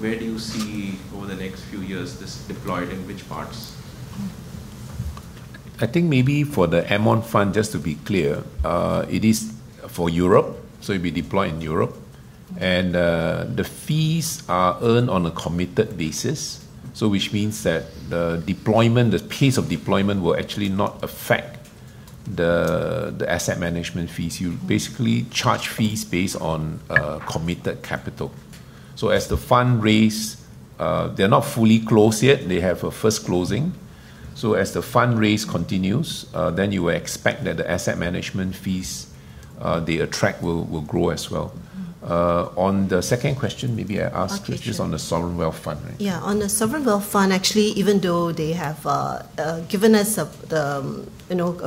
Where do you see over the next few years this deployed, in which parts? Maybe for the Aermont Fund, just to be clear, it is for Europe, so it'll be deployed in Europe. The fees are earned on a committed basis, which means that the pace of deployment will not affect the asset management fees. You charge fees based on committed capital. As the fund raise, they're not fully closed yet, they have a first closing. As the fund raise continues, then you will expect that the asset management fees they attract will grow as well. On the second question, maybe I ask. I'll take this one. Which is on the sovereign wealth fund, right? Yeah. On the sovereign wealth fund, actually, even though they have given us a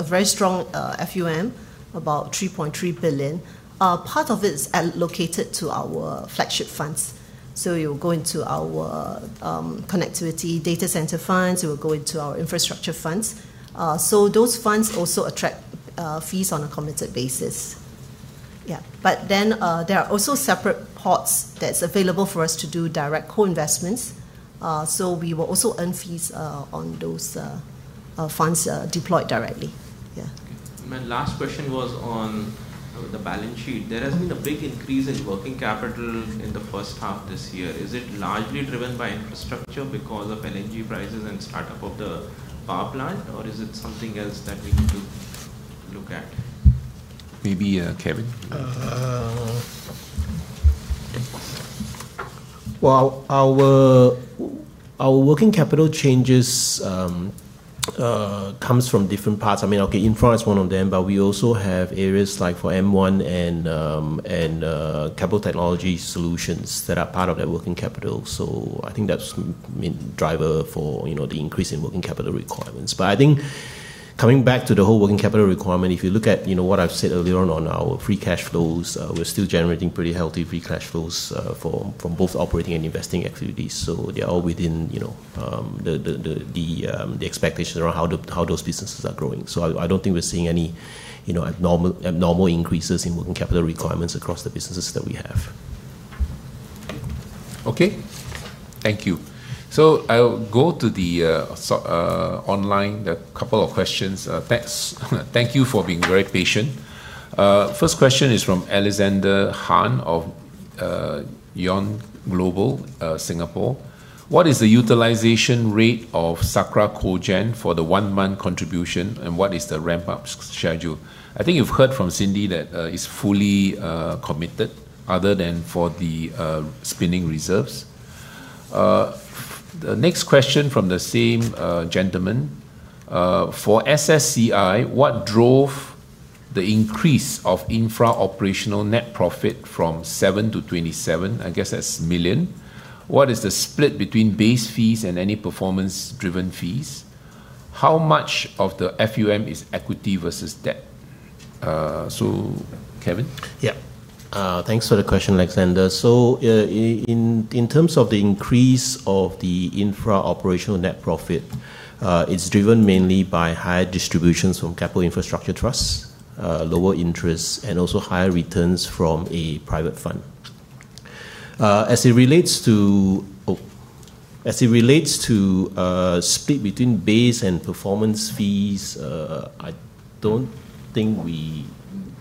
very strong FUM, about 3.3 billion, part of it is allocated to our flagship funds. It will go into our connectivity data center funds, it will go into our infrastructure funds. Those funds also attract fees on a committed basis. Yeah. There are also separate pots that's available for us to do direct co-investments. We will also earn fees on those funds deployed directly. Yeah. Okay. My last question was, the balance sheet, there has been a big increase in working capital in the first half of this year. Is it largely driven by infrastructure because of energy prices and startup of the power plant, or is it something else that we need to look at? Maybe Kevin? Our working capital changes come from different parts. Infra is one of them, but we also have areas like for M1 and Keppel Technology Solutions that are part of that working capital. I think that's the main driver for the increase in working capital requirements. I think coming back to the whole working capital requirement, if you look at what I've said earlier on our free cash flows, we're still generating pretty healthy free cash flows from both operating and investing activities. They are all within the expectation around how those businesses are growing. I don't think we're seeing any abnormal increases in working capital requirements across the businesses that we have. Thank you. I'll go to the online, the couple of questions. Thank you for being very patient. First question is from Alexander Han of Yoon Global, Singapore. What is the utilization rate of Sakra Cogen for the one-month contribution, and what is the ramp-up schedule? I think you've heard from Cindy that it's fully committed other than for the spinning reserves. The next question from the same gentleman. For SSCI, what drove the increase of infra operational net profit from 7 million-27 million? I guess that's million. What is the split between base fees and any performance-driven fees? How much of the FUM is equity versus debt? Kevin? Yeah. Thanks for the question, Alexander. In terms of the increase of the infra operational net profit, it's driven mainly by higher distributions from Keppel Infrastructure Trust, lower interest, and also higher returns from a private fund. As it relates to split between base and performance fees, I don't think we disclose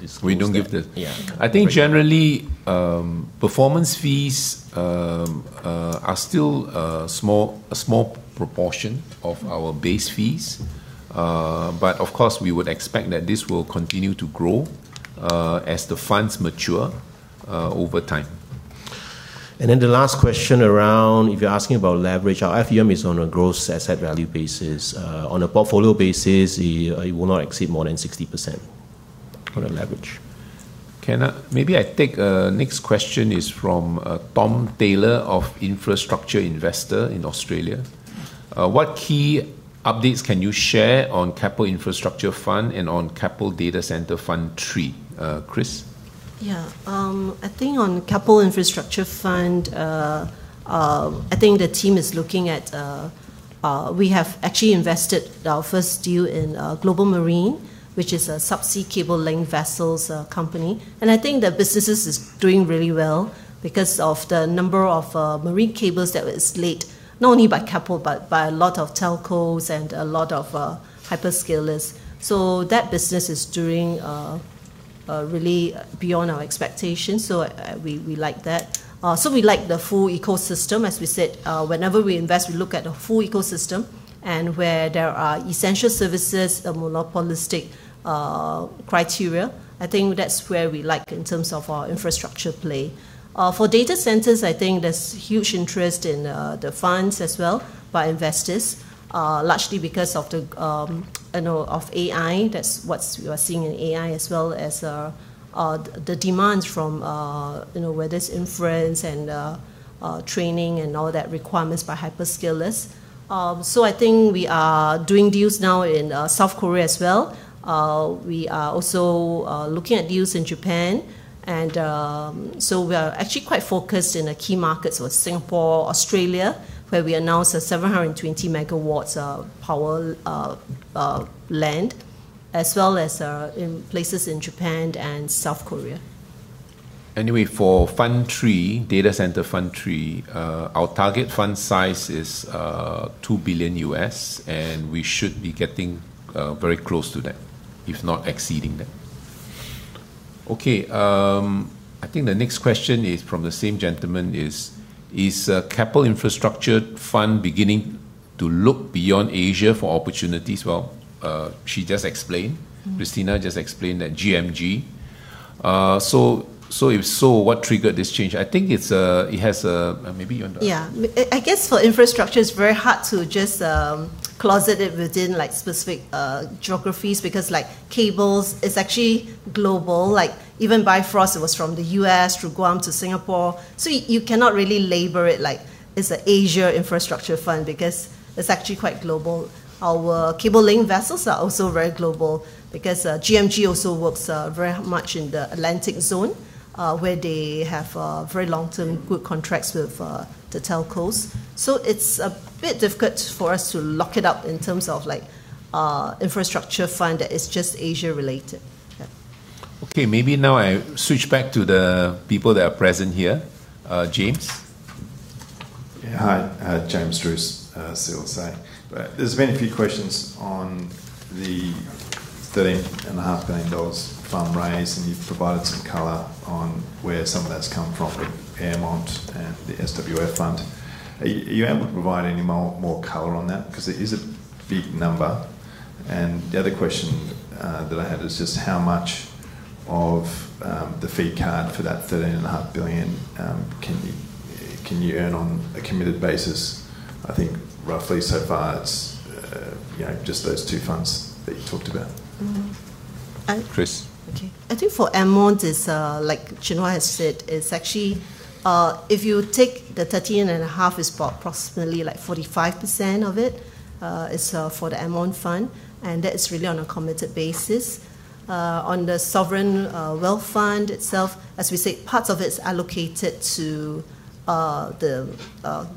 that. We don't give that. Yeah. I think generally, performance fees are still a small proportion of our base fees. Of course, we would expect that this will continue to grow as the funds mature over time. The last question around, if you're asking about leverage, our FUM is on a gross asset value basis. On a portfolio basis, it will not exceed more than 60% on the leverage. Maybe I take next question is from Tom Taylor of Infrastructure Investor in Australia. What key updates can you share on Keppel Infrastructure Fund and on Keppel Data Centre Fund III? Chris? On Keppel Infrastructure Fund, the team is looking at, we have actually invested our first deal in Global Marine, which is a subsea cable laying vessels company. The business is doing really well because of the number of marine cables that were laid, not only by Keppel, but by a lot of telcos and a lot of hyperscalers. That business is doing really beyond our expectations. We like that. We like the full ecosystem. As we said, whenever we invest, we look at the full ecosystem and where there are essential services or monopolistic criteria. That's where we like in terms of our infrastructure play. For data centers, there's huge interest in the funds as well by investors, largely because of AI. That's what we are seeing in AI as well as the demands from, whether it's inference and training and all that requirements by hyperscalers. We are doing deals now in South Korea as well. We are also looking at deals in Japan. We are actually quite focused in key markets with Singapore, Australia, where we announced a 720 MW of power land, as well as in places in Japan and South Korea. Anyway, for Fund III, Data Centre Fund III, our target fund size is $2 billion, and we should be getting very close to that, if not exceeding that. Okay. The next question is from the same gentleman is Keppel Infrastructure Fund beginning to look beyond Asia for opportunities? Well, she just explained. Christina just explained that GMG. If so, what triggered this change? It has a-- Maybe you want to- I guess for infrastructure, it's very hard to just closet it within specific geographies because cables, it's actually global. Even Bifrost was from the U.S. through Guam to Singapore. You cannot really label it like it's an Asia infrastructure fund because it's actually quite global. Our cable laying vessels are also very global because GMG also works very much in the Atlantic zone, where they have very long-term good contracts with the telcos. It's a bit difficult for us to lock it up in terms of infrastructure fund that is just Asia related. Okay, maybe now I switch back to the people that are present here. James? Yeah. Hi, James Druce, CLSA. There's been a few questions on the 13.5 billion dollars fund raise, you've provided some color on where some of that's come from Aermont and the SWF fund. Are you able to provide any more color on that? Because it is a big number. The other question that I had is just how much of the fee card for that 13.5 billion can you earn on a committed basis? I think roughly so far it's just those two funds that you talked about. Chris? Okay. I think for Aermont, like Chin Hua has said, if you take the 13.5%, it's approximately 45% of it is for the Aermont fund, that is really on a committed basis. On the sovereign wealth fund itself, as we said, parts of it is allocated to the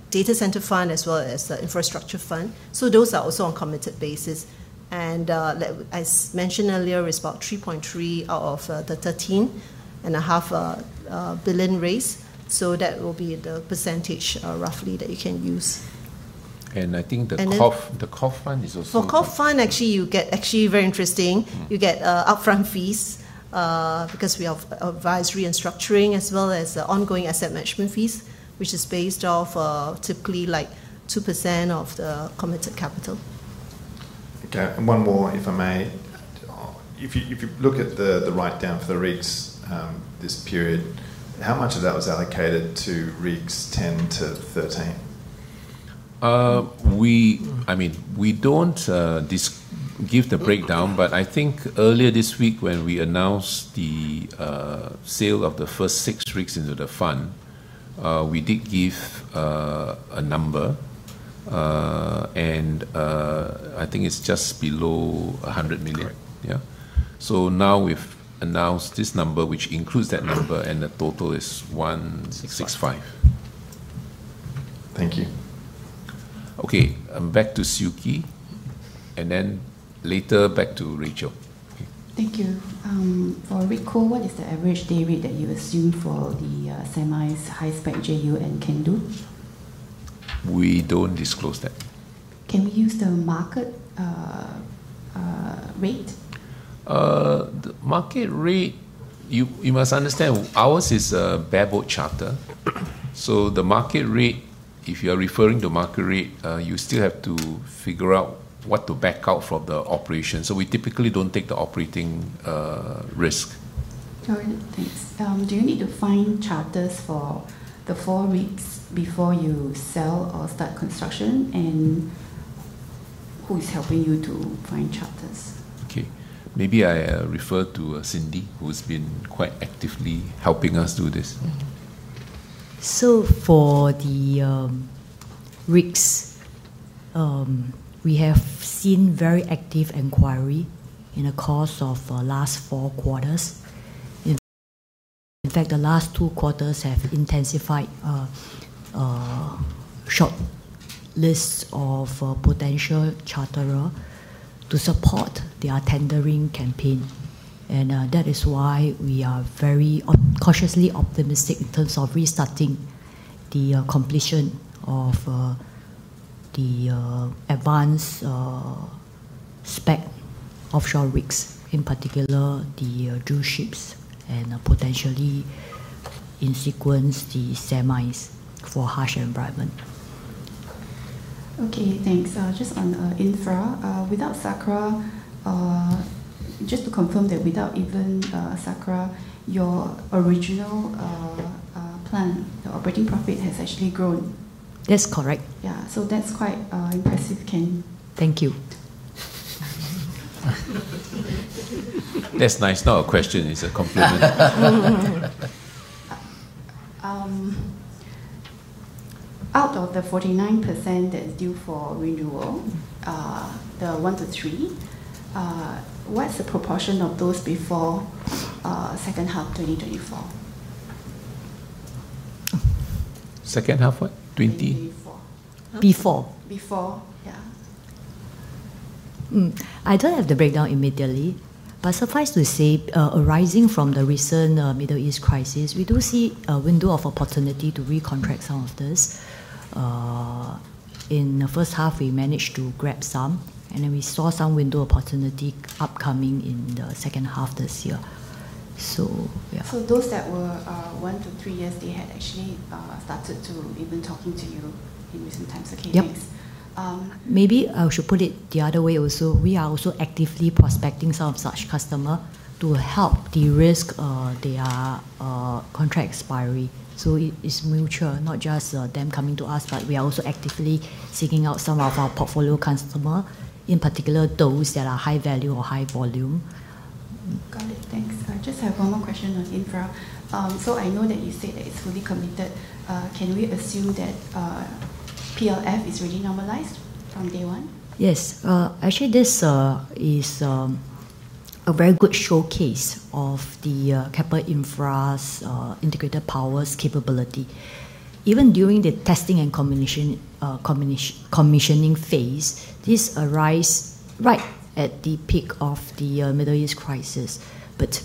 data center fund as well as the infrastructure fund. Those are also on a committed basis. As mentioned earlier, it's about 3.3 out of the 13.5 billion raise, that will be the percentage, roughly, that you can use. I think the KOF fund is also For KOF fund, actually very interesting. You get upfront fees, because we have advisory and structuring, as well as the ongoing asset management fees, which is based off typically 2% of the committed capital. Okay, one more, if I may. If you look at the write-down for the rigs this period, how much of that was allocated to rigs 10-13? We don't give the breakdown, but I think earlier this week when we announced the sale of the first six rigs into the fund, we did give a number. I think it's just below 100 million. Correct. Yeah. Now we've announced this number, which includes that number, and the total is 165 million. Thank you. Okay. Back to Suki, then later back to Rachael. Okay. Thank you. For Rigco, what is the average day rate that you assume for the semis, high-spec, JU, and Can Do? We don't disclose that. Can we use the market rate? The market rate, you must understand, ours is a bareboat charter. The market rate, if you are referring to market rate, you still have to figure out what to back out from the operation. We typically don't take the operating risk. All right. Thanks. Do you need to find charters for the four rigs before you sell or start construction? Who is helping you to find charters? Okay. Maybe I refer to Cindy, who's been quite actively helping us do this. For the rigs, we have seen very active inquiry in the course of last four quarters. In fact, the last two quarters have intensified a short list of potential charterer to support our tendering campaign. That is why we are very cautiously optimistic in terms of restarting the completion of the advanced spec offshore rigs, in particular, the drill ships, and potentially, in sequence, the semis for harsh environment. Okay, thanks. Just on infra, just to confirm that without even Sakra, your original plan, the operating profit has actually grown. That's correct. Yeah. That's quite impressive. Thank you. That's nice. Not a question, it's a compliment. Out of the 49% that is due for renewal, the 1-3, what's the proportion of those before second half 2024? Second half what? '20- 24. 24. Yeah. I don't have the breakdown immediately, suffice to say, arising from the recent Middle East crisis, we do see a window of opportunity to recontract some of this. In the first half, we managed to grab some, we saw some window opportunity upcoming in the second half this year. Yeah. Those that were one to three years, they had actually started to even talking to you in recent times. Okay, thanks. Yep. Maybe I should put it the other way also. We are also actively prospecting some of such customer to help de-risk their contract expiry. It is mutual, not just them coming to us, but we are also actively seeking out some of our portfolio customer, in particular, those that are high value or high volume. Got it. Thanks. I have one more question on infra. I know that you said that it's fully committed. Can we assume that PLF is really normalized from day one? Yes. Actually, this is a very good showcase of the Keppel Infra's integrated powers capability. Even during the testing and commissioning phase, this arose right at the peak of the Middle East crisis.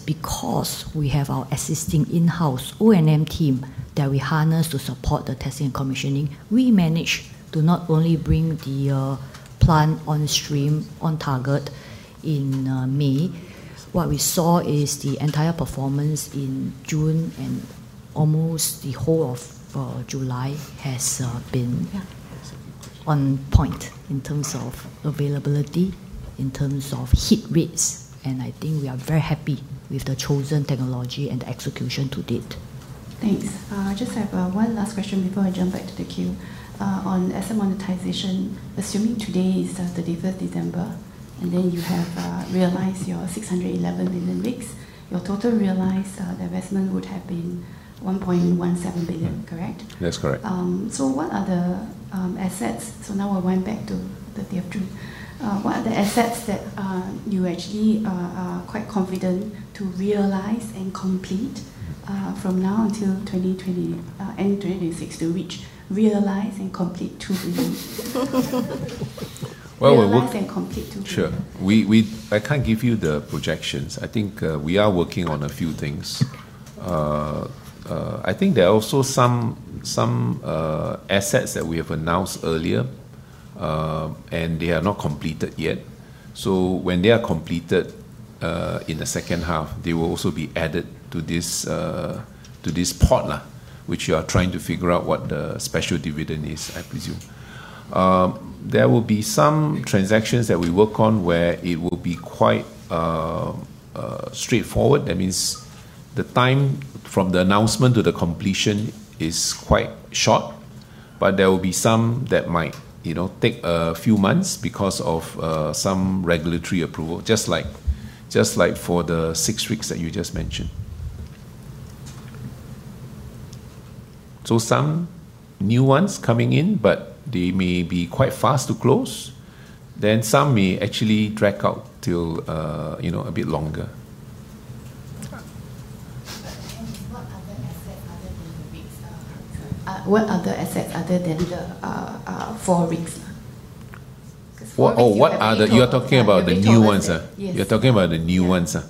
Because we have our assisting in-house O&M team that we harness to support the test and commissioning, we managed to not only bring the plant on stream on target in May. What we saw is the entire performance in June and almost the whole of July has been on point in terms of availability, in terms of heat rates. I think we are very happy with the chosen technology and execution to date. Thanks. I have one last question before I jump back to the queue. On asset monetization, assuming today is Thursday, 3rd December, and then you have realized your 611 million rigs, your total realized divestment would have been 1.17 billion, correct? That's correct. What are the assets? Now we're going back to the day of truth. What are the assets that you actually are quite confident to realize and complete from now until end of 2026 to reach realize and complete SGD 2 billion? Well. Realize and complete SGD 2 billion. Sure. I can't give you the projections. I think we are working on a few things. I think there are also some assets that we have announced earlier, they are not completed yet. When they are completed, in the second half, they will also be added to this pot, which you are trying to figure out what the special dividend is, I presume. There will be some transactions that we work on where it will be quite straightforward. That means the time from the announcement to the completion is quite short, but there will be some that might take a few months because of some regulatory approval, just like for the six rigs that you just mentioned. Some new ones coming in, but they may be quite fast to close. Some may actually drag out till a bit longer. What other asset other than the four rigs? Oh, you're talking about the new ones? Yes. You're talking about the new ones. Yeah.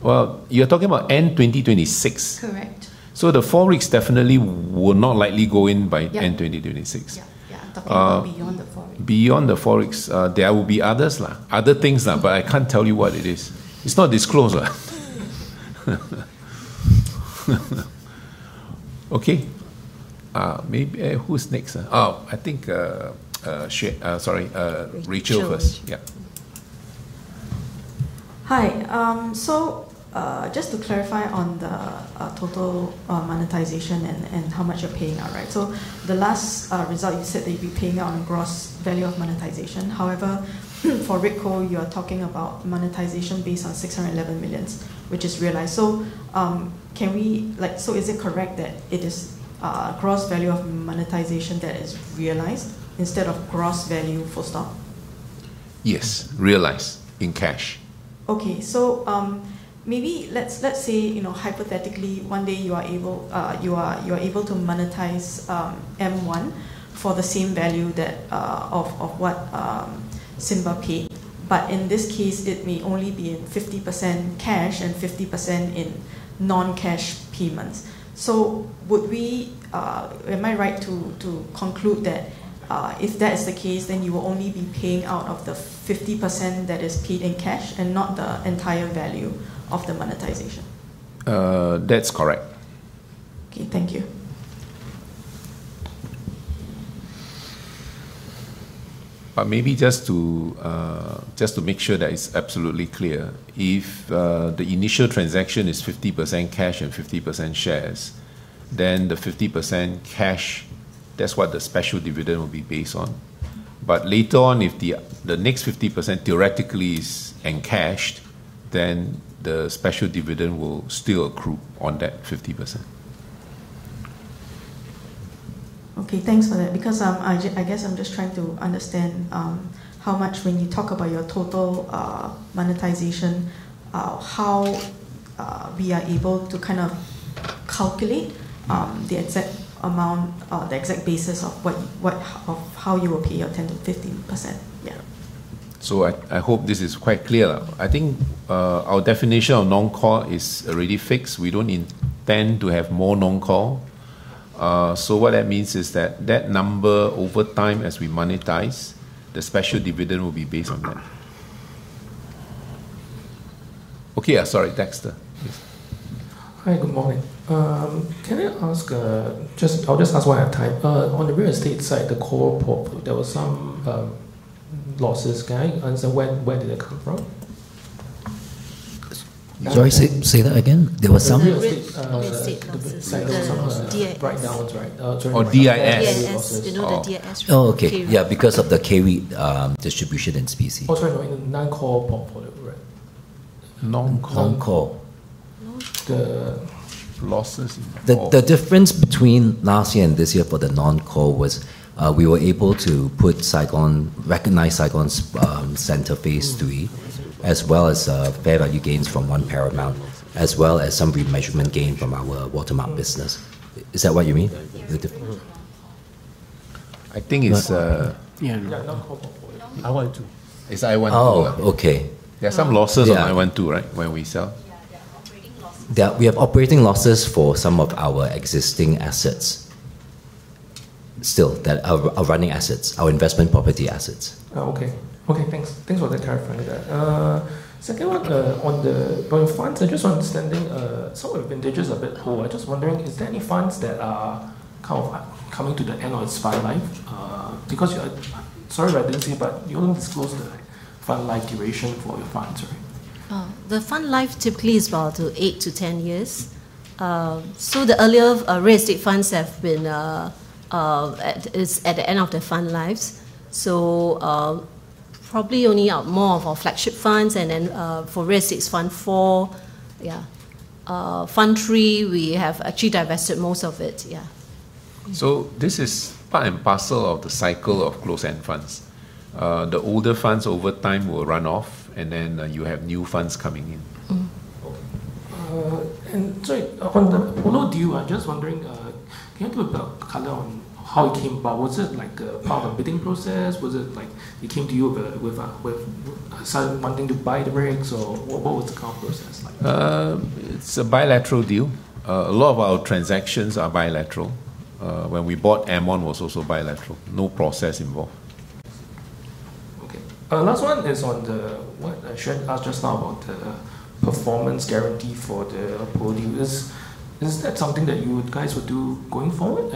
Well, you're talking about end 2026. Correct. The four rigs definitely will not likely go in. Yeah end 2026. Yeah. I'm talking about beyond the four rigs. Beyond the four rigs, there will be other things, I can't tell you what it is. It's not disclosed. Okay. Who's next? Oh, I think Sorry, Rachael first. Sure. Yeah. Hi. Just to clarify on the total monetization and how much you're paying out. The last result, you said that you'd be paying out on gross value of monetization. However, for Rigco, you're talking about monetization based on 611 million, which is realized. Is it correct that it is gross value of monetization that is realized instead of gross value full stop? Yes. Realized in cash. Okay. Maybe let's say, hypothetically, one day you are able to monetize M1 for the same value of what Simba paid. But in this case, it may only be in 50% cash and 50% in non-cash payments. Am I right to conclude that, if that is the case, then you will only be paying out of the 50% that is paid in cash and not the entire value of the monetization? That's correct. Okay. Thank you. Maybe just to make sure that it's absolutely clear, if the initial transaction is 50% cash and 50% shares, then the 50% cash, that's what the special dividend will be based on. Later on, if the next 50% theoretically is encashed, then the special dividend will still accrue on that 50%. Okay. Thanks for that. I guess I'm just trying to understand how much when you talk about your total monetization, how we are able to kind of calculate the exact amount or the exact basis of how you will pay your 10%-15%. Yeah. I hope this is quite clear. I think our definition of non-core is already fixed. We don't intend to have more non-core. What that means is that that number over time as we monetize, the special dividend will be based on that. Okay. Sorry, Dexter. Yes. Hi. Good morning. Can I ask, I'll just ask while I have time. On the real estate side, the core portfolio, there was some losses. Can you answer where did it come from? Sorry, say that again. There was some- The real estate- Real estate losses losses. The DS. Write downs. Sorry. DIS. DIS. You know the [DIS rig]. Oh, okay. Yeah, because of the KREIT distribution in specie. Oh, sorry. Non-core portfolio. Non-core. The losses involved. The difference between last year and this year for the non-core was we were able to recognize Saigon Centre Phase III, as well as fair value gains from One Paramount, as well as some remeasurement gain from our Watermark business. Is that what you mean? Yeah. The difference with non-core. I think it's- Non-core. Yeah, non-core. I want to. It's Oh, okay. There are some losses on, [inaudible] right, when we sell? Yeah. There are operating losses. Yeah. We have operating losses for some of our existing assets still, our running assets, our investment property assets. Oh, okay. Thanks for clarifying that. Second one, on the funds, I'm just understanding some of your vintages are a bit poor. I'm just wondering, is there any funds that are coming to the end of its fund life? Sorry if I didn't see, but you don't disclose the fund life duration for your funds, right? The fund life typically is about 8-10 years. The earlier real estate funds have been at the end of their fund lives. Probably only more of our flagship funds and then, for Real Estate Fund IV. Fund III, we have actually divested most of it. Yeah. Okay. This is part and parcel of the cycle of closed-end funds. The older funds over time will run off, and then you have new funds coming in. Okay. On the Apollo deal, I'm just wondering, can you give a bit of color on how it came about? Was it, like, a part of a bidding process? Was it, like, it came to you with wanting to buy the rigs, or what was the kind of process like? It's a bilateral deal. A lot of our transactions are bilateral. When we bought M1, it was also bilateral. No process involved. Okay. Last one is on the performance guarantee for the Apollo deal. Is that something that you guys would do going forward?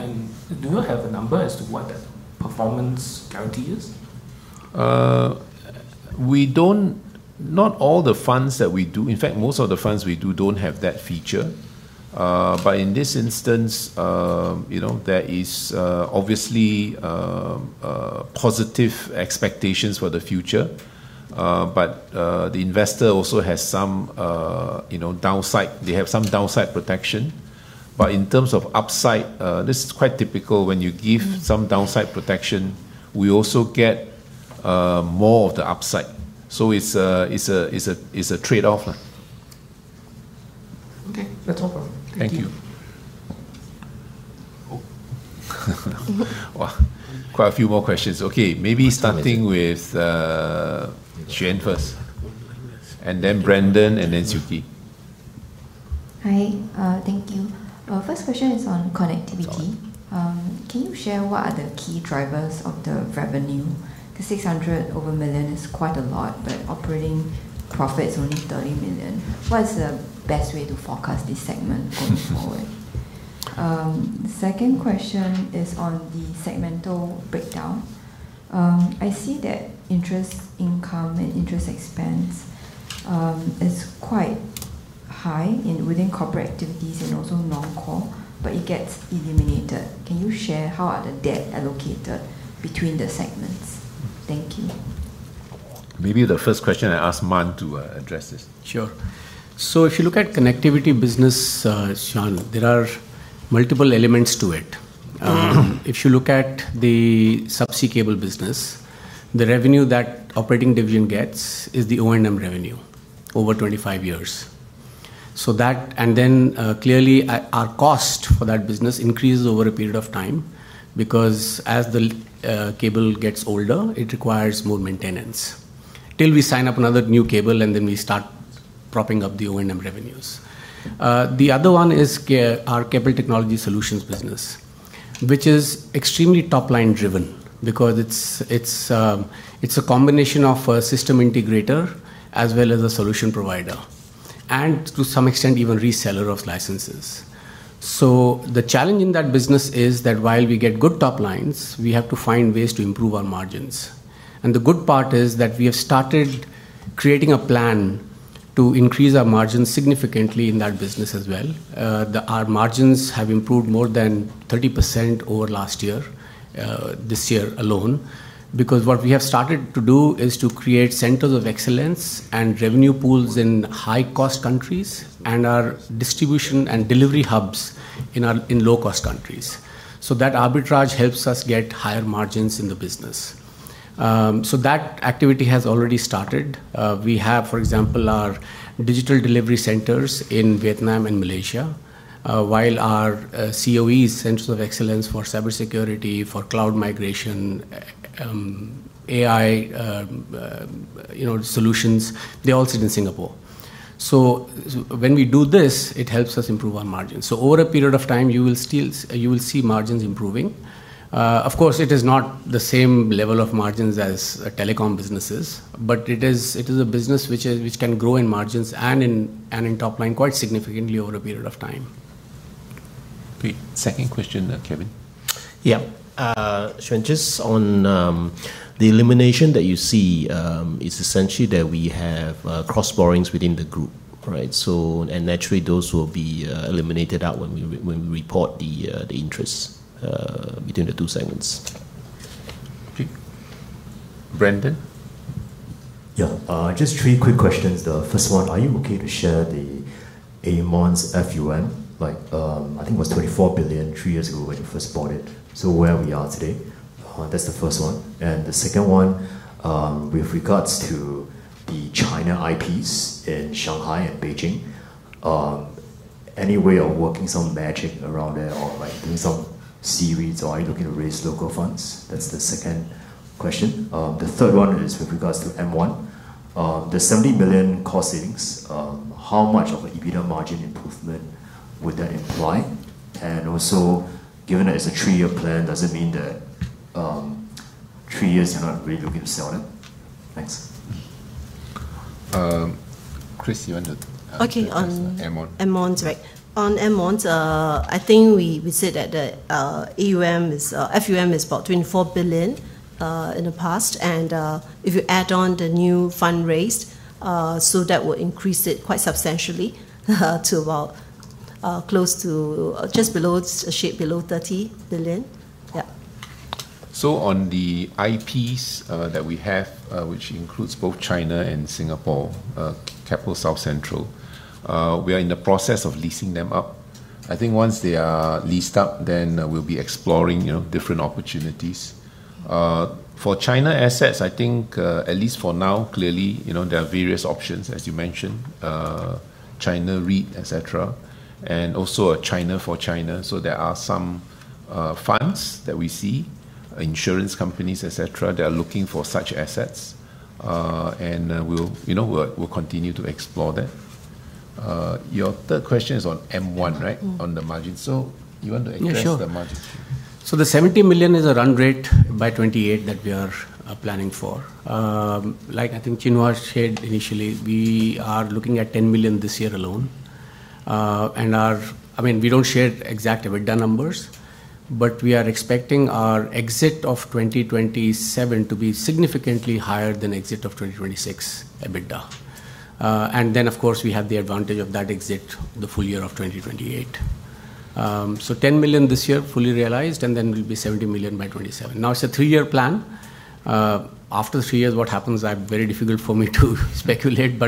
Do you have a number as to what that performance guarantee is? Not all the funds that we do, in fact, most of the funds we do don't have that feature. In this instance, there is obviously positive expectations for the future. The investor also has some downside protection. In terms of upside, this is quite typical when you give some downside protection, we also get more of the upside. It's a trade-off. Okay. That's all from me. Thank you. Thank you. Wow. Quite a few more questions. Okay. Maybe starting with Xuan first, and then Brandon, and then Suki. Hi. Thank you. First question is on connectivity. Sure. Can you share what are the key drivers of the revenue? 600 over million is quite a lot, but operating profit's only 30 million. What's the best way to forecast this segment going forward? Second question is on the segmental breakdown. I see that interest income and interest expense is quite high within corporate activities and also non-core, but it gets eliminated. Can you share how are the debt allocated between the segments? Thank you. Maybe the first question, I ask Mann to address this. Sure. If you look at Connectivity business, Xuan, there are multiple elements to it. If you look at the subsea cable business, the revenue that operating division gets is the O&M revenue over 25 years. That, and then clearly our cost for that business increases over a period of time because as the cable gets older, it requires more maintenance till we sign up another new cable and then we start propping up the O&M revenues. The other one is our Keppel Technology Solutions business, which is extremely top-line driven because it's a combination of a system integrator as well as a solution provider. To some extent, even reseller of licenses. The challenge in that business is that while we get good top lines, we have to find ways to improve our margins. The good part is that we have started creating a plan to increase our margins significantly in that business as well. Our margins have improved more than 30% over last year, this year alone. What we have started to do is to create centers of excellence and revenue pools in high-cost countries and our distribution and delivery hubs in low-cost countries. That arbitrage helps us get higher margins in the business. That activity has already started. We have, for example, our digital delivery centers in Vietnam and Malaysia. While our COEs, centers of excellence for cybersecurity, for cloud migration, AI solutions, they all sit in Singapore. When we do this, it helps us improve our margins. Over a period of time, you will see margins improving. Of course, it is not the same level of margins as a telecom businesses, but it is a business which can grow in margins and in top line quite significantly over a period of time. The second question, Kevin? Yeah. Xuan, just on the elimination that you see, it's essentially that we have cross-borrowings within the group. Right? Naturally, those will be eliminated out when we report the interests between the two segments. Okay. Brandon? Yeah. Just three quick questions. The first one, are you okay to share the Aermont's FUM? I think it was 24 billion three years ago when you first bought it. Where we are today? That's the first one. The second one, with regards to the China IPs in Shanghai and Beijing, any way of working some magic around there or doing some C-REITs or are you looking to raise local funds? That's the second question. The third one is with regards to M1. The 70 million cost savings, how much of an EBITDA margin improvement would that imply? Also, given that it's a three-year plan, does it mean that three years you're not really looking to sell it? Thanks. Chris, you want to- Okay answer on Aermont? Aermont. Right. On Aermont, I think we said that the FUM is about 24 billion in the past. If you add on the new fund raised, that will increase it quite substantially, to about just below 30 billion. Yeah. On the IPs that we have, which includes both China and Singapore, Keppel South Central, we are in the process of leasing them up. I think once they are leased up, then we'll be exploring different opportunities. For China assets, I think, at least for now, clearly, there are various options, as you mentioned, China REIT, et cetera, and also a China for China. There are some funds that we see, insurance companies, et cetera, that are looking for such assets. We'll continue to explore that. Your third question is on M1, right? On the margin. You want to address the margin? Yeah, sure. The 70 million is a run rate by 2028 that we are planning for. Like I think Chin Hua shared initially, we are looking at 10 million this year alone. We don't share exact EBITDA numbers, but we are expecting our exit of 2027 to be significantly higher than exit of 2026 EBITDA. Then, of course, we have the advantage of that exit the full year of 2028. 10 million this year fully realized, and then will be 70 million by 2027. It's a three-year plan. After three years, what happens are very difficult for me to speculate,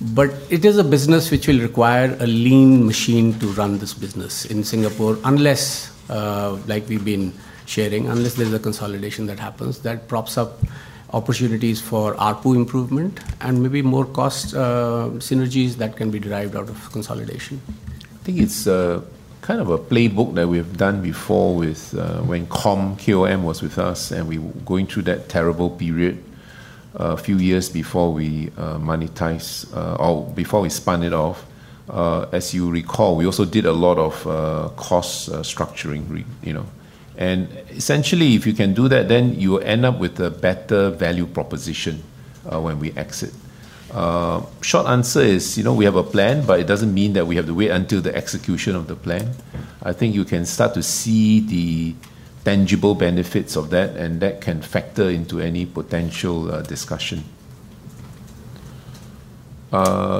but it is a business which will require a lean machine to run this business in Singapore unless, like we've been sharing, unless there's a consolidation that happens, that props up opportunities for ARPU improvement and maybe more cost synergies that can be derived out of consolidation. I think it's kind of a playbook that we've done before when KOM was with us and we were going through that terrible period a few years before we spun it off. As you recall, we also did a lot of cost structuring. Essentially, if you can do that, then you end up with a better value proposition when we exit. Short answer is we have a plan, but it doesn't mean that we have to wait until the execution of the plan. I think you can start to see the tangible benefits of that, and that can factor into any potential discussion.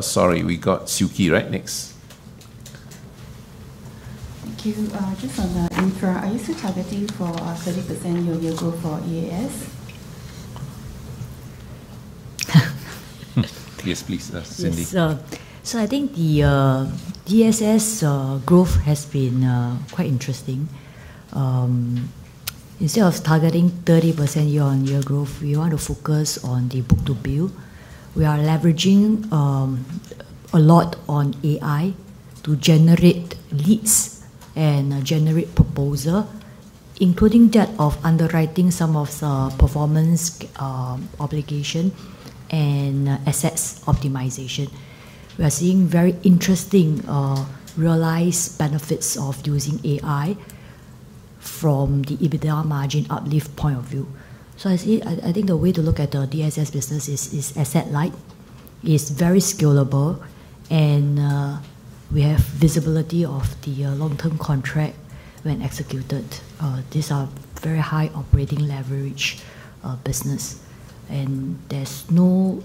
Sorry, we got Suki right next. Thank you. Just on the infra, are you still targeting for a 30% year-on-year growth for EAS? Yes, please, Cindy. I think the DSS growth has been quite interesting. Instead of targeting 30% year-over-year growth, we want to focus on the book-to-bill. We are leveraging a lot on AI to generate leads and generate proposal, including that of underwriting some of the performance obligation and assets optimization. We are seeing very interesting realized benefits of using AI from the EBITDA margin uplift point of view. I think the way to look at the DSS business is asset light. It's very scalable and we have visibility of the long-term contract when executed. These are very high operating leverage business, and there's no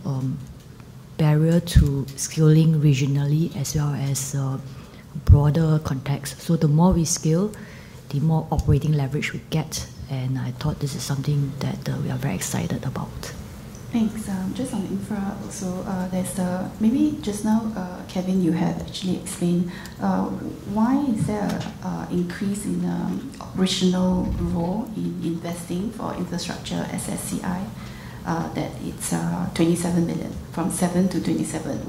barrier to scaling regionally as well as broader context. The more we scale, the more operating leverage we get, and I thought this is something that we are very excited about. Thanks. Just on infra also, maybe just now, Kevin, you have actually explained why is there an increase in the operational role in investing for Infrastructure SSCI, that it's 27 million, from 7 million-27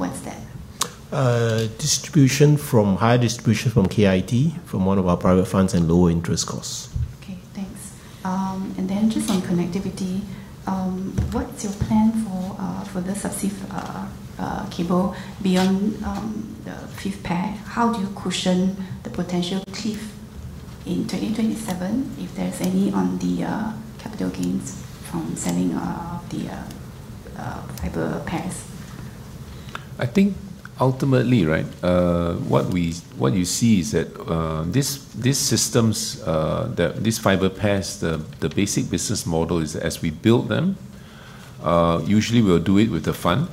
million. What's that? Higher distribution from KIT, from one of our private funds, and lower interest costs. Okay, thanks. Just on connectivity, what is your plan for the subsea cable beyond the fifth pair? How do you cushion the potential cliff in 2027, if there's any, on the capital gains from selling off the fiber pairs? I think ultimately, what you see is that these fiber pairs, the basic business model is as we build them, usually we'll do it with a fund.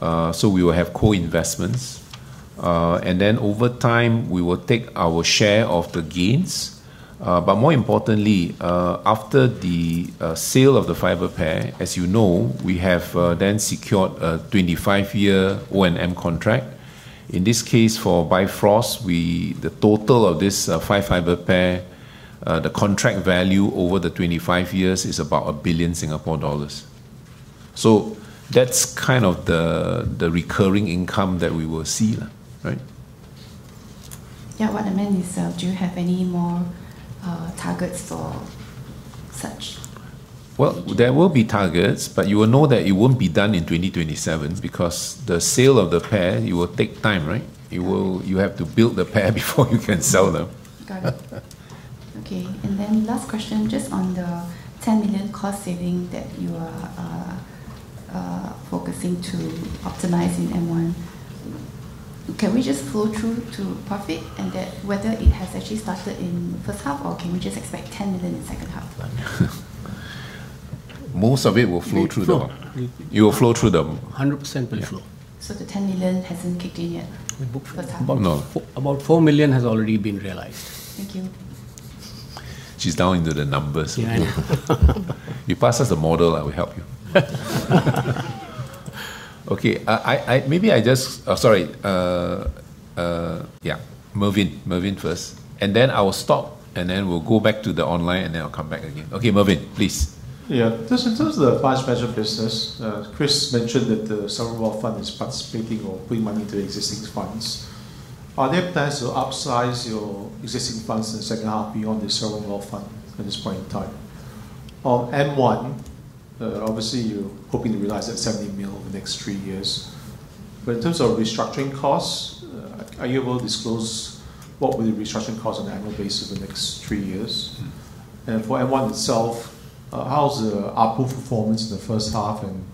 We will have co-investments. Over time, we will take our share of the gains. More importantly, after the sale of the fiber pair, as you know, we have then secured a 25-year O&M contract. In this case, for Bifrost, the total of this five fiber pair, the contract value over the 25 years is about 1 billion Singapore dollars. That's kind of the recurring income that we will see. Right? Yeah. What I meant is, do you have any more targets for such? Well, there will be targets. You will know that it won't be done in 2027 because the sale of the pair, it will take time. Right? Yeah. You have to build the pair before you can sell them. Got it. Okay. Last question, just on the 10 million cost saving that you are focusing to optimize in M1. Can we just flow through to profit and that whether it has actually started in the first half, or can we just expect 10 million in second half? Most of it will flow through. It will flow. It will flow through. 100% will flow. The 10 million hasn't kicked in yet? We booked- No. About 4 million has already been realized. Thank you. She's down into the numbers. Yeah, I know. You pass us the model, I will help you. Okay. Yeah, Mervin first, and then I will stop, and then we'll go back to the online, and then I'll come back again. Okay, Mervin, please. Yeah. Just in terms of the funds management business, Chris mentioned that the Sovereign Wealth Fund is participating or putting money into existing funds. Are there plans to upsize your existing funds in the second half beyond the Sovereign Wealth Fund at this point in time? On M1, obviously you're hoping to realize that 70 million over the next three years. In terms of restructuring costs, are you able to disclose what will your restructuring cost on an annual basis the next three years? For M1 itself, how's the output performance in the first half, and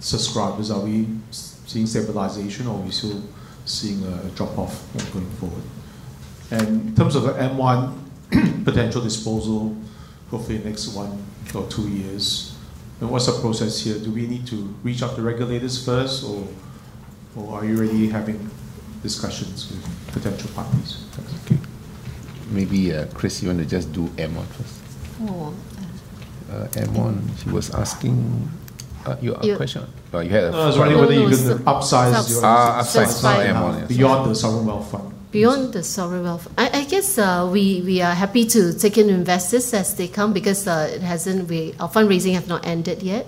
subscribers, are we seeing stabilization or are we still seeing a drop-off going forward? In terms of a M1 potential disposal, hopefully in the next one or two years, what's the process here? Do we need to reach out to regulators first, or are you already having discussions with potential parties? Thanks. Okay. Maybe, Chris, you want to just do M1 first? For? M1. She was asking. You had a question? No, I was wondering whether you're going to upsize your- upsize M1 beyond the Sovereign Wealth Fund. Beyond the Sovereign Wealth I guess, we are happy to take in investors as they come because our fundraising have not ended yet.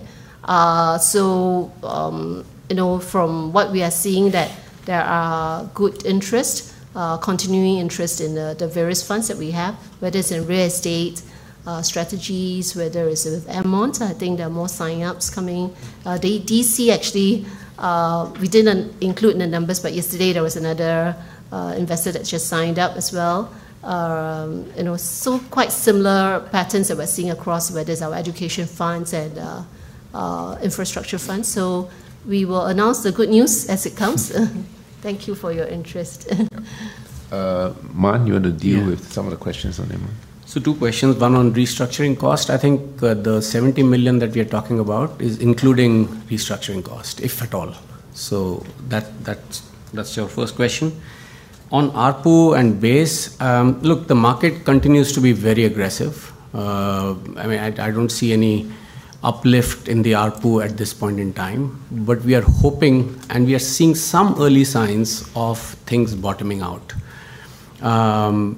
From what we are seeing, that there are good interest, continuing interest in the various funds that we have, whether it's in real estate, strategies, whether it's with M1. I think there are more sign-ups coming. DC actually, we didn't include in the numbers, but yesterday there was another investor that just signed up as well. Quite similar patterns that we're seeing across, whether it's our education funds and infrastructure funds. We will announce the good news as it comes. Thank you for your interest. Yeah. Mann, you want to deal with some of the questions on M1? Two questions. One on restructuring cost. I think the 70 million that we are talking about is including restructuring cost, if at all. That's your first question. On ARPU and base, look, the market continues to be very aggressive. I don't see any uplift in the ARPU at this point in time. We are hoping, and we are seeing some early signs of things bottoming out.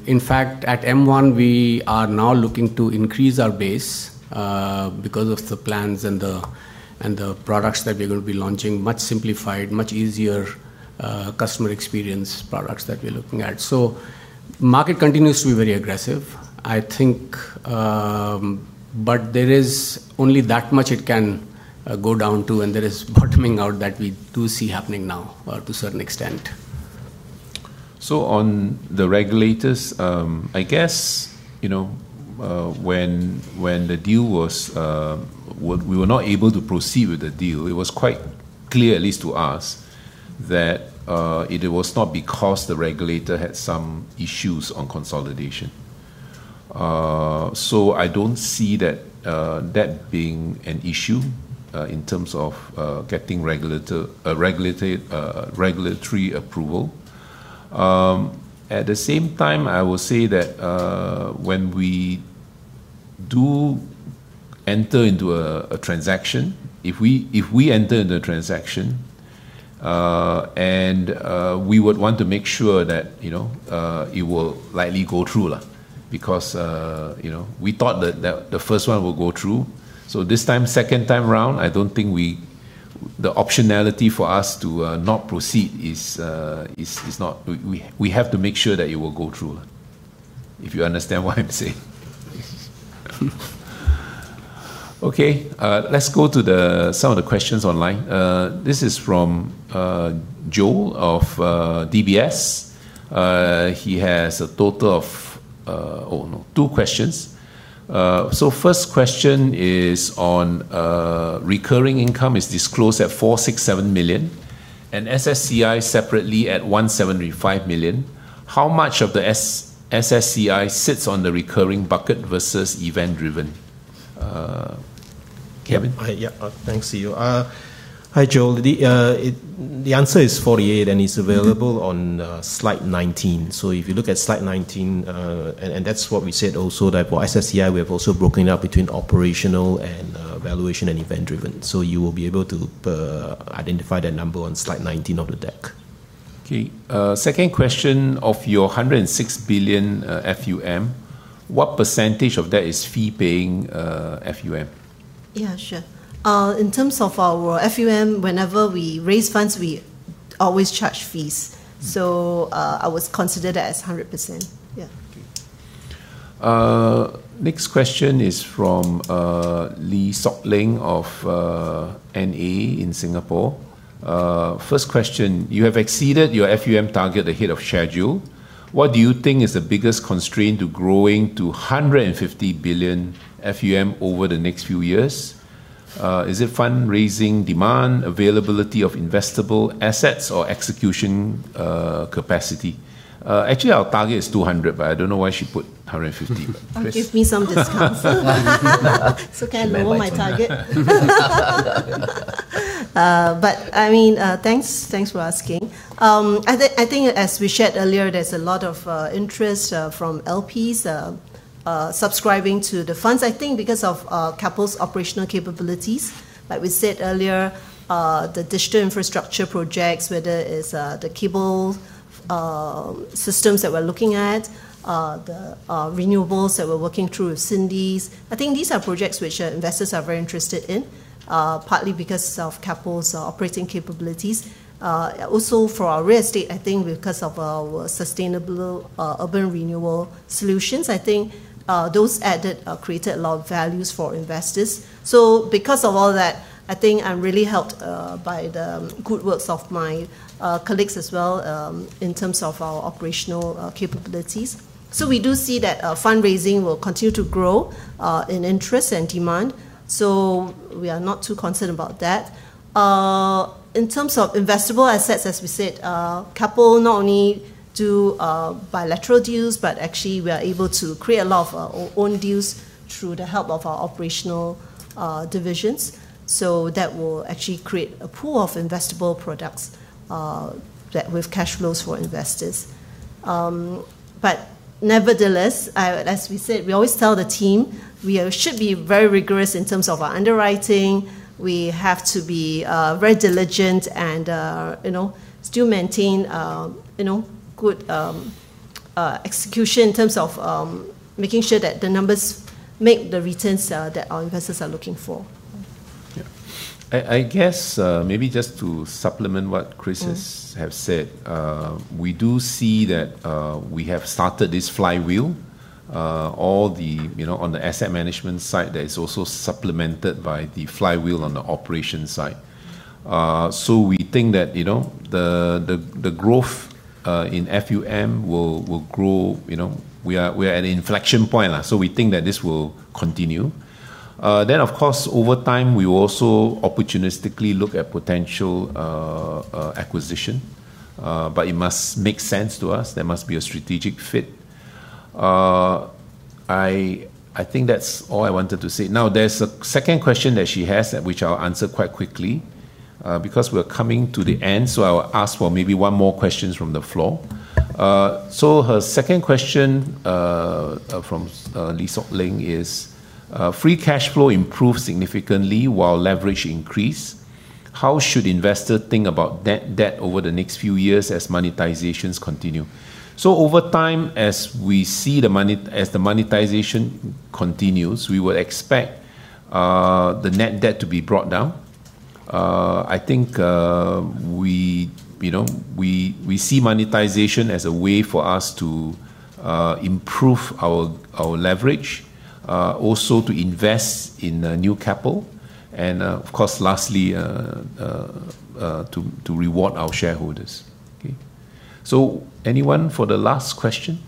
In fact, at M1, we're now looking to increase our base, because of the plans and the products that we're going to be launching, much simplified, much easier, customer experience products that we're looking at. Market continues to be very aggressive, I think, but there is only that much it can go down to, and there is bottoming out that we do see happening now to a certain extent. On the regulators, I guess, when the deal was, we were not able to proceed with the deal, it was quite clear, at least to us, that it was not because the regulator had some issues on consolidation. I don't see that being an issue, in terms of getting regulatory approval. At the same time, I will say that when we do enter into a transaction, if we enter into a transaction, and we would want to make sure that it will likely go through. We thought that the first one will go through. This time, second time around, I don't think the optionality for us to not proceed is not. We have to make sure that it will go through. If you understand what I'm saying. Let's go to some of the questions online. This is from Joel of DBS. He has a total of two questions. First question is on recurring income is disclosed at 467 million and SSCI separately at 175 million. How much of the SSCI sits on the recurring bucket versus event-driven? Kevin? Thanks to you. Hi, Joel. The answer is 48, and it's available on slide 19. If you look at slide 19, and that's what we said also that for SSCI we have also broken it up between operational and valuation and event-driven. You will be able to identify that number on slide 19 of the deck. Okay. Second question, of your 106 billion FUM, what percentage of that is fee-paying FUM? Yeah, sure. In terms of our FUM, whenever we raise funds, we always charge fees. I would consider that as 100%. Yeah. Okay. Next question is from Lee Sock Ling of NA in Singapore. First question, you have exceeded your FUM target ahead of schedule. What do you think is the biggest constraint to growing to 150 billion FUM over the next few years? Is it fundraising demand, availability of investable assets, or execution capacity? Actually, our target is 200 billion, but I don't know why she put 150 billion. Give me some discount. Can I lower my target? Thanks for asking. I think as we shared earlier, there's a lot of interest from LPs subscribing to the funds, I think because of Keppel's operational capabilities. Like we said earlier, the digital infrastructure projects, whether it's the cable systems that we're looking at, the renewables that we're working through with Cindy's. I think these are projects which investors are very interested in, partly because of Keppel's operating capabilities. Also for our real estate, I think because of our sustainable urban renewal solutions, I think those added created a lot of values for investors. Because of all that, I think I'm really helped by the good works of my colleagues as well, in terms of our operational capabilities. We do see that fundraising will continue to grow in interest and demand, so we are not too concerned about that. In terms of investable assets, as we said, Keppel not only do bilateral deals, but actually we are able to create a lot of our own deals through the help of our operational divisions. That will actually create a pool of investable products that with cash flows for investors. Nevertheless, as we said, we always tell the team we should be very rigorous in terms of our underwriting. We have to be very diligent and still maintain good execution in terms of making sure that the numbers make the returns that our investors are looking for. Yeah. I guess maybe just to supplement what Chris has said. We do see that we have started this flywheel. On the asset management side, that is also supplemented by the flywheel on the operation side. We think that the growth in FUM will grow. We are at an inflection point. We think that this will continue. Of course, over time, we will also opportunistically look at potential acquisition. It must make sense to us. There must be a strategic fit. I think that's all I wanted to say. There's a second question that she has, which I'll answer quite quickly because we're coming to the end, so I'll ask for maybe one more questions from the floor. Her second question from Lee Sock Ling is, free cash flow improved significantly while leverage increased. How should investors think about net debt over the next few years as monetizations continue? Over time, as we see as the monetization continues, we will expect the net debt to be brought down. I think we see monetization as a way for us to improve our leverage, also to invest in new capital, and of course lastly, to reward our shareholders. Okay. Anyone for the last question?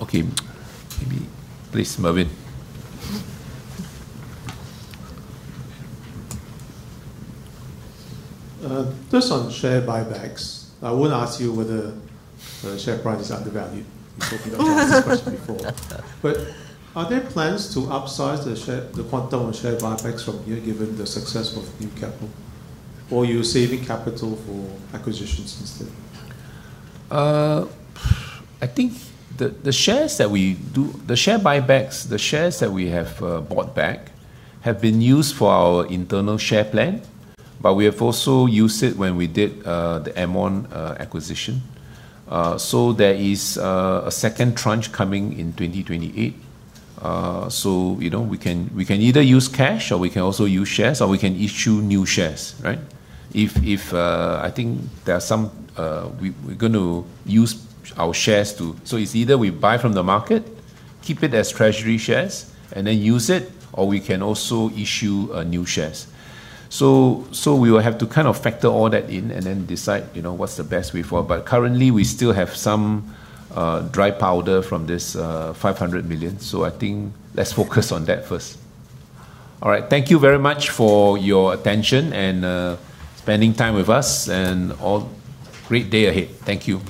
Okay, maybe please, Mervin. Just on share buybacks, I want to ask you whether the share price is undervalued. You've talked about that discussion before. Are there plans to upsize the quantum on share buybacks from here, given the success of new capital? You're saving capital for acquisitions instead? I think the shares that we have bought back have been used for our internal share plan, but we have also used it when we did the Aermont acquisition. There is a second tranche coming in 2028. We can either use cash or we can also use shares or we can issue new shares, right? It's either we buy from the market, keep it as treasury shares, and then use it, or we can also issue new shares. We will have to kind of factor all that in and then decide what's the best way forward. Currently, we still have some dry powder from this 500 million. I think let's focus on that first. All right. Thank you very much for your attention and spending time with us. All, great day ahead. Thank you